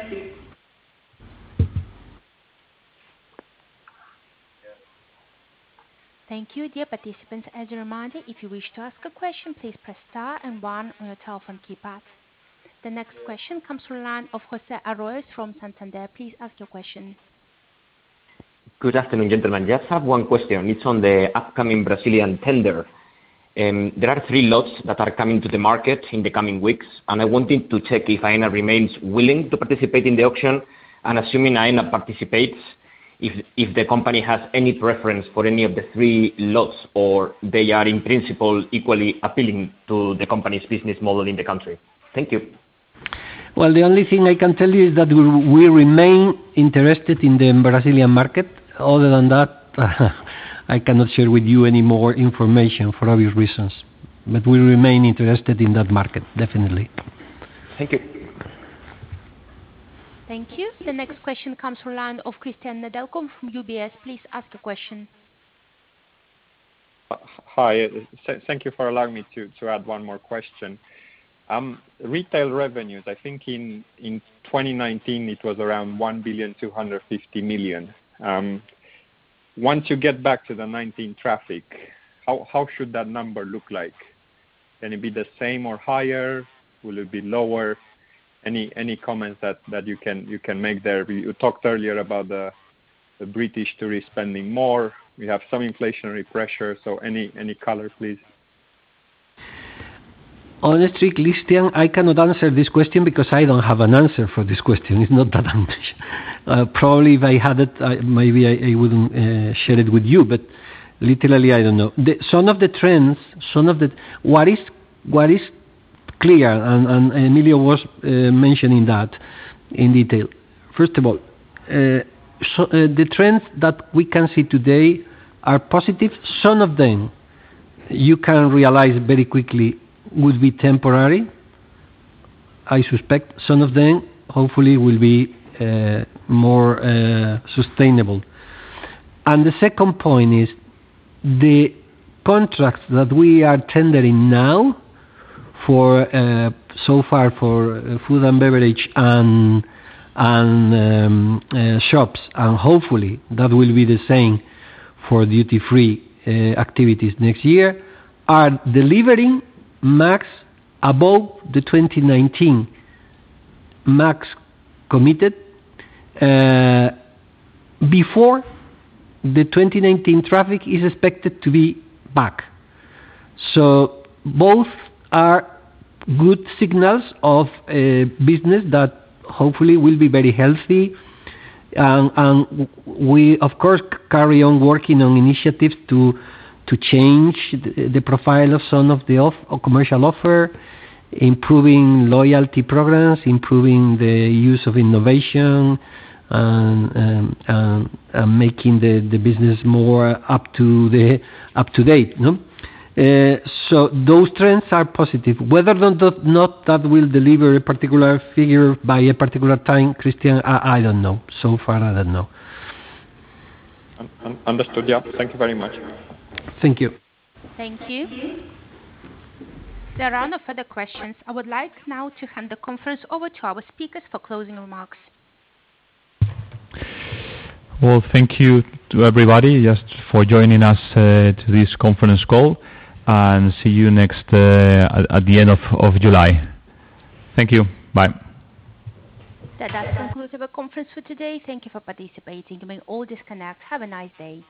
Thank you, dear participants. As a reminder, if you wish to ask a question, please press star and one on your telephone keypad. The next question comes from the line of José Arroyas from Santander. Please ask your question. Good afternoon, gentlemen. I just have one question. It's on the upcoming Brazilian tender. There are three lots that are coming to the market in the coming weeks, and I wanted to check if Aena remains willing to participate in the auction. Assuming Aena participates, if the company has any preference for any of the three lots or they are, in principle, equally appealing to the company's business model in the country. Thank you. Well, the only thing I can tell you is that we remain interested in the Brazilian market. Other than that, I cannot share with you any more information for obvious reasons. We remain interested in that market, definitely. Thank you. Thank you. The next question comes from the line of Cristian Nedelcu from UBS. Please ask the question. Hi. Thank you for allowing me to add one more question. Retail revenues, I think in 2019 it was around 1.25 billion. Once you get back to the 2019 traffic, how should that number look like? Can it be the same or higher? Will it be lower? Any comments that you can make there? You talked earlier about the British tourist spending more. We have some inflationary pressure. Any color, please? Honestly, Cristian, I cannot answer this question because I don't have an answer for this question. It's not that I'm Jewish. Probably if I had it, maybe I would share it with you, but literally, I don't know. Some of the trends, what is clear, and Emilio was mentioning that in detail. First of all, the trends that we can see today are positive. Some of them, you can realize very quickly, will be temporary. I suspect some of them, hopefully, will be more sustainable. The second point is the contracts that we are tendering now for, so far for food and beverage and shops, and hopefully that will be the same for duty-free activities next year, are delivering MAGs above the 2019 MAGs committed, before the 2019 traffic is expected to be back. Both are good signals of a business that hopefully will be very healthy. We of course carry on working on initiatives to change the profile of some of the commercial offer, improving loyalty programs, improving the use of innovation and making the business more up to date, no? Those trends are positive. Whether or not that will deliver a particular figure by a particular time, Cristian, I don't know. So far, I don't know. Understood. Yeah. Thank you very much. Thank you. Thank you. There are no further questions. I would like now to hand the conference over to our speakers for closing remarks. Well, thank you to everybody just for joining us to this conference call, and see you next at the end of July. Thank you. Bye. That concludes our conference for today. Thank you for participating. You may all disconnect. Have a nice day.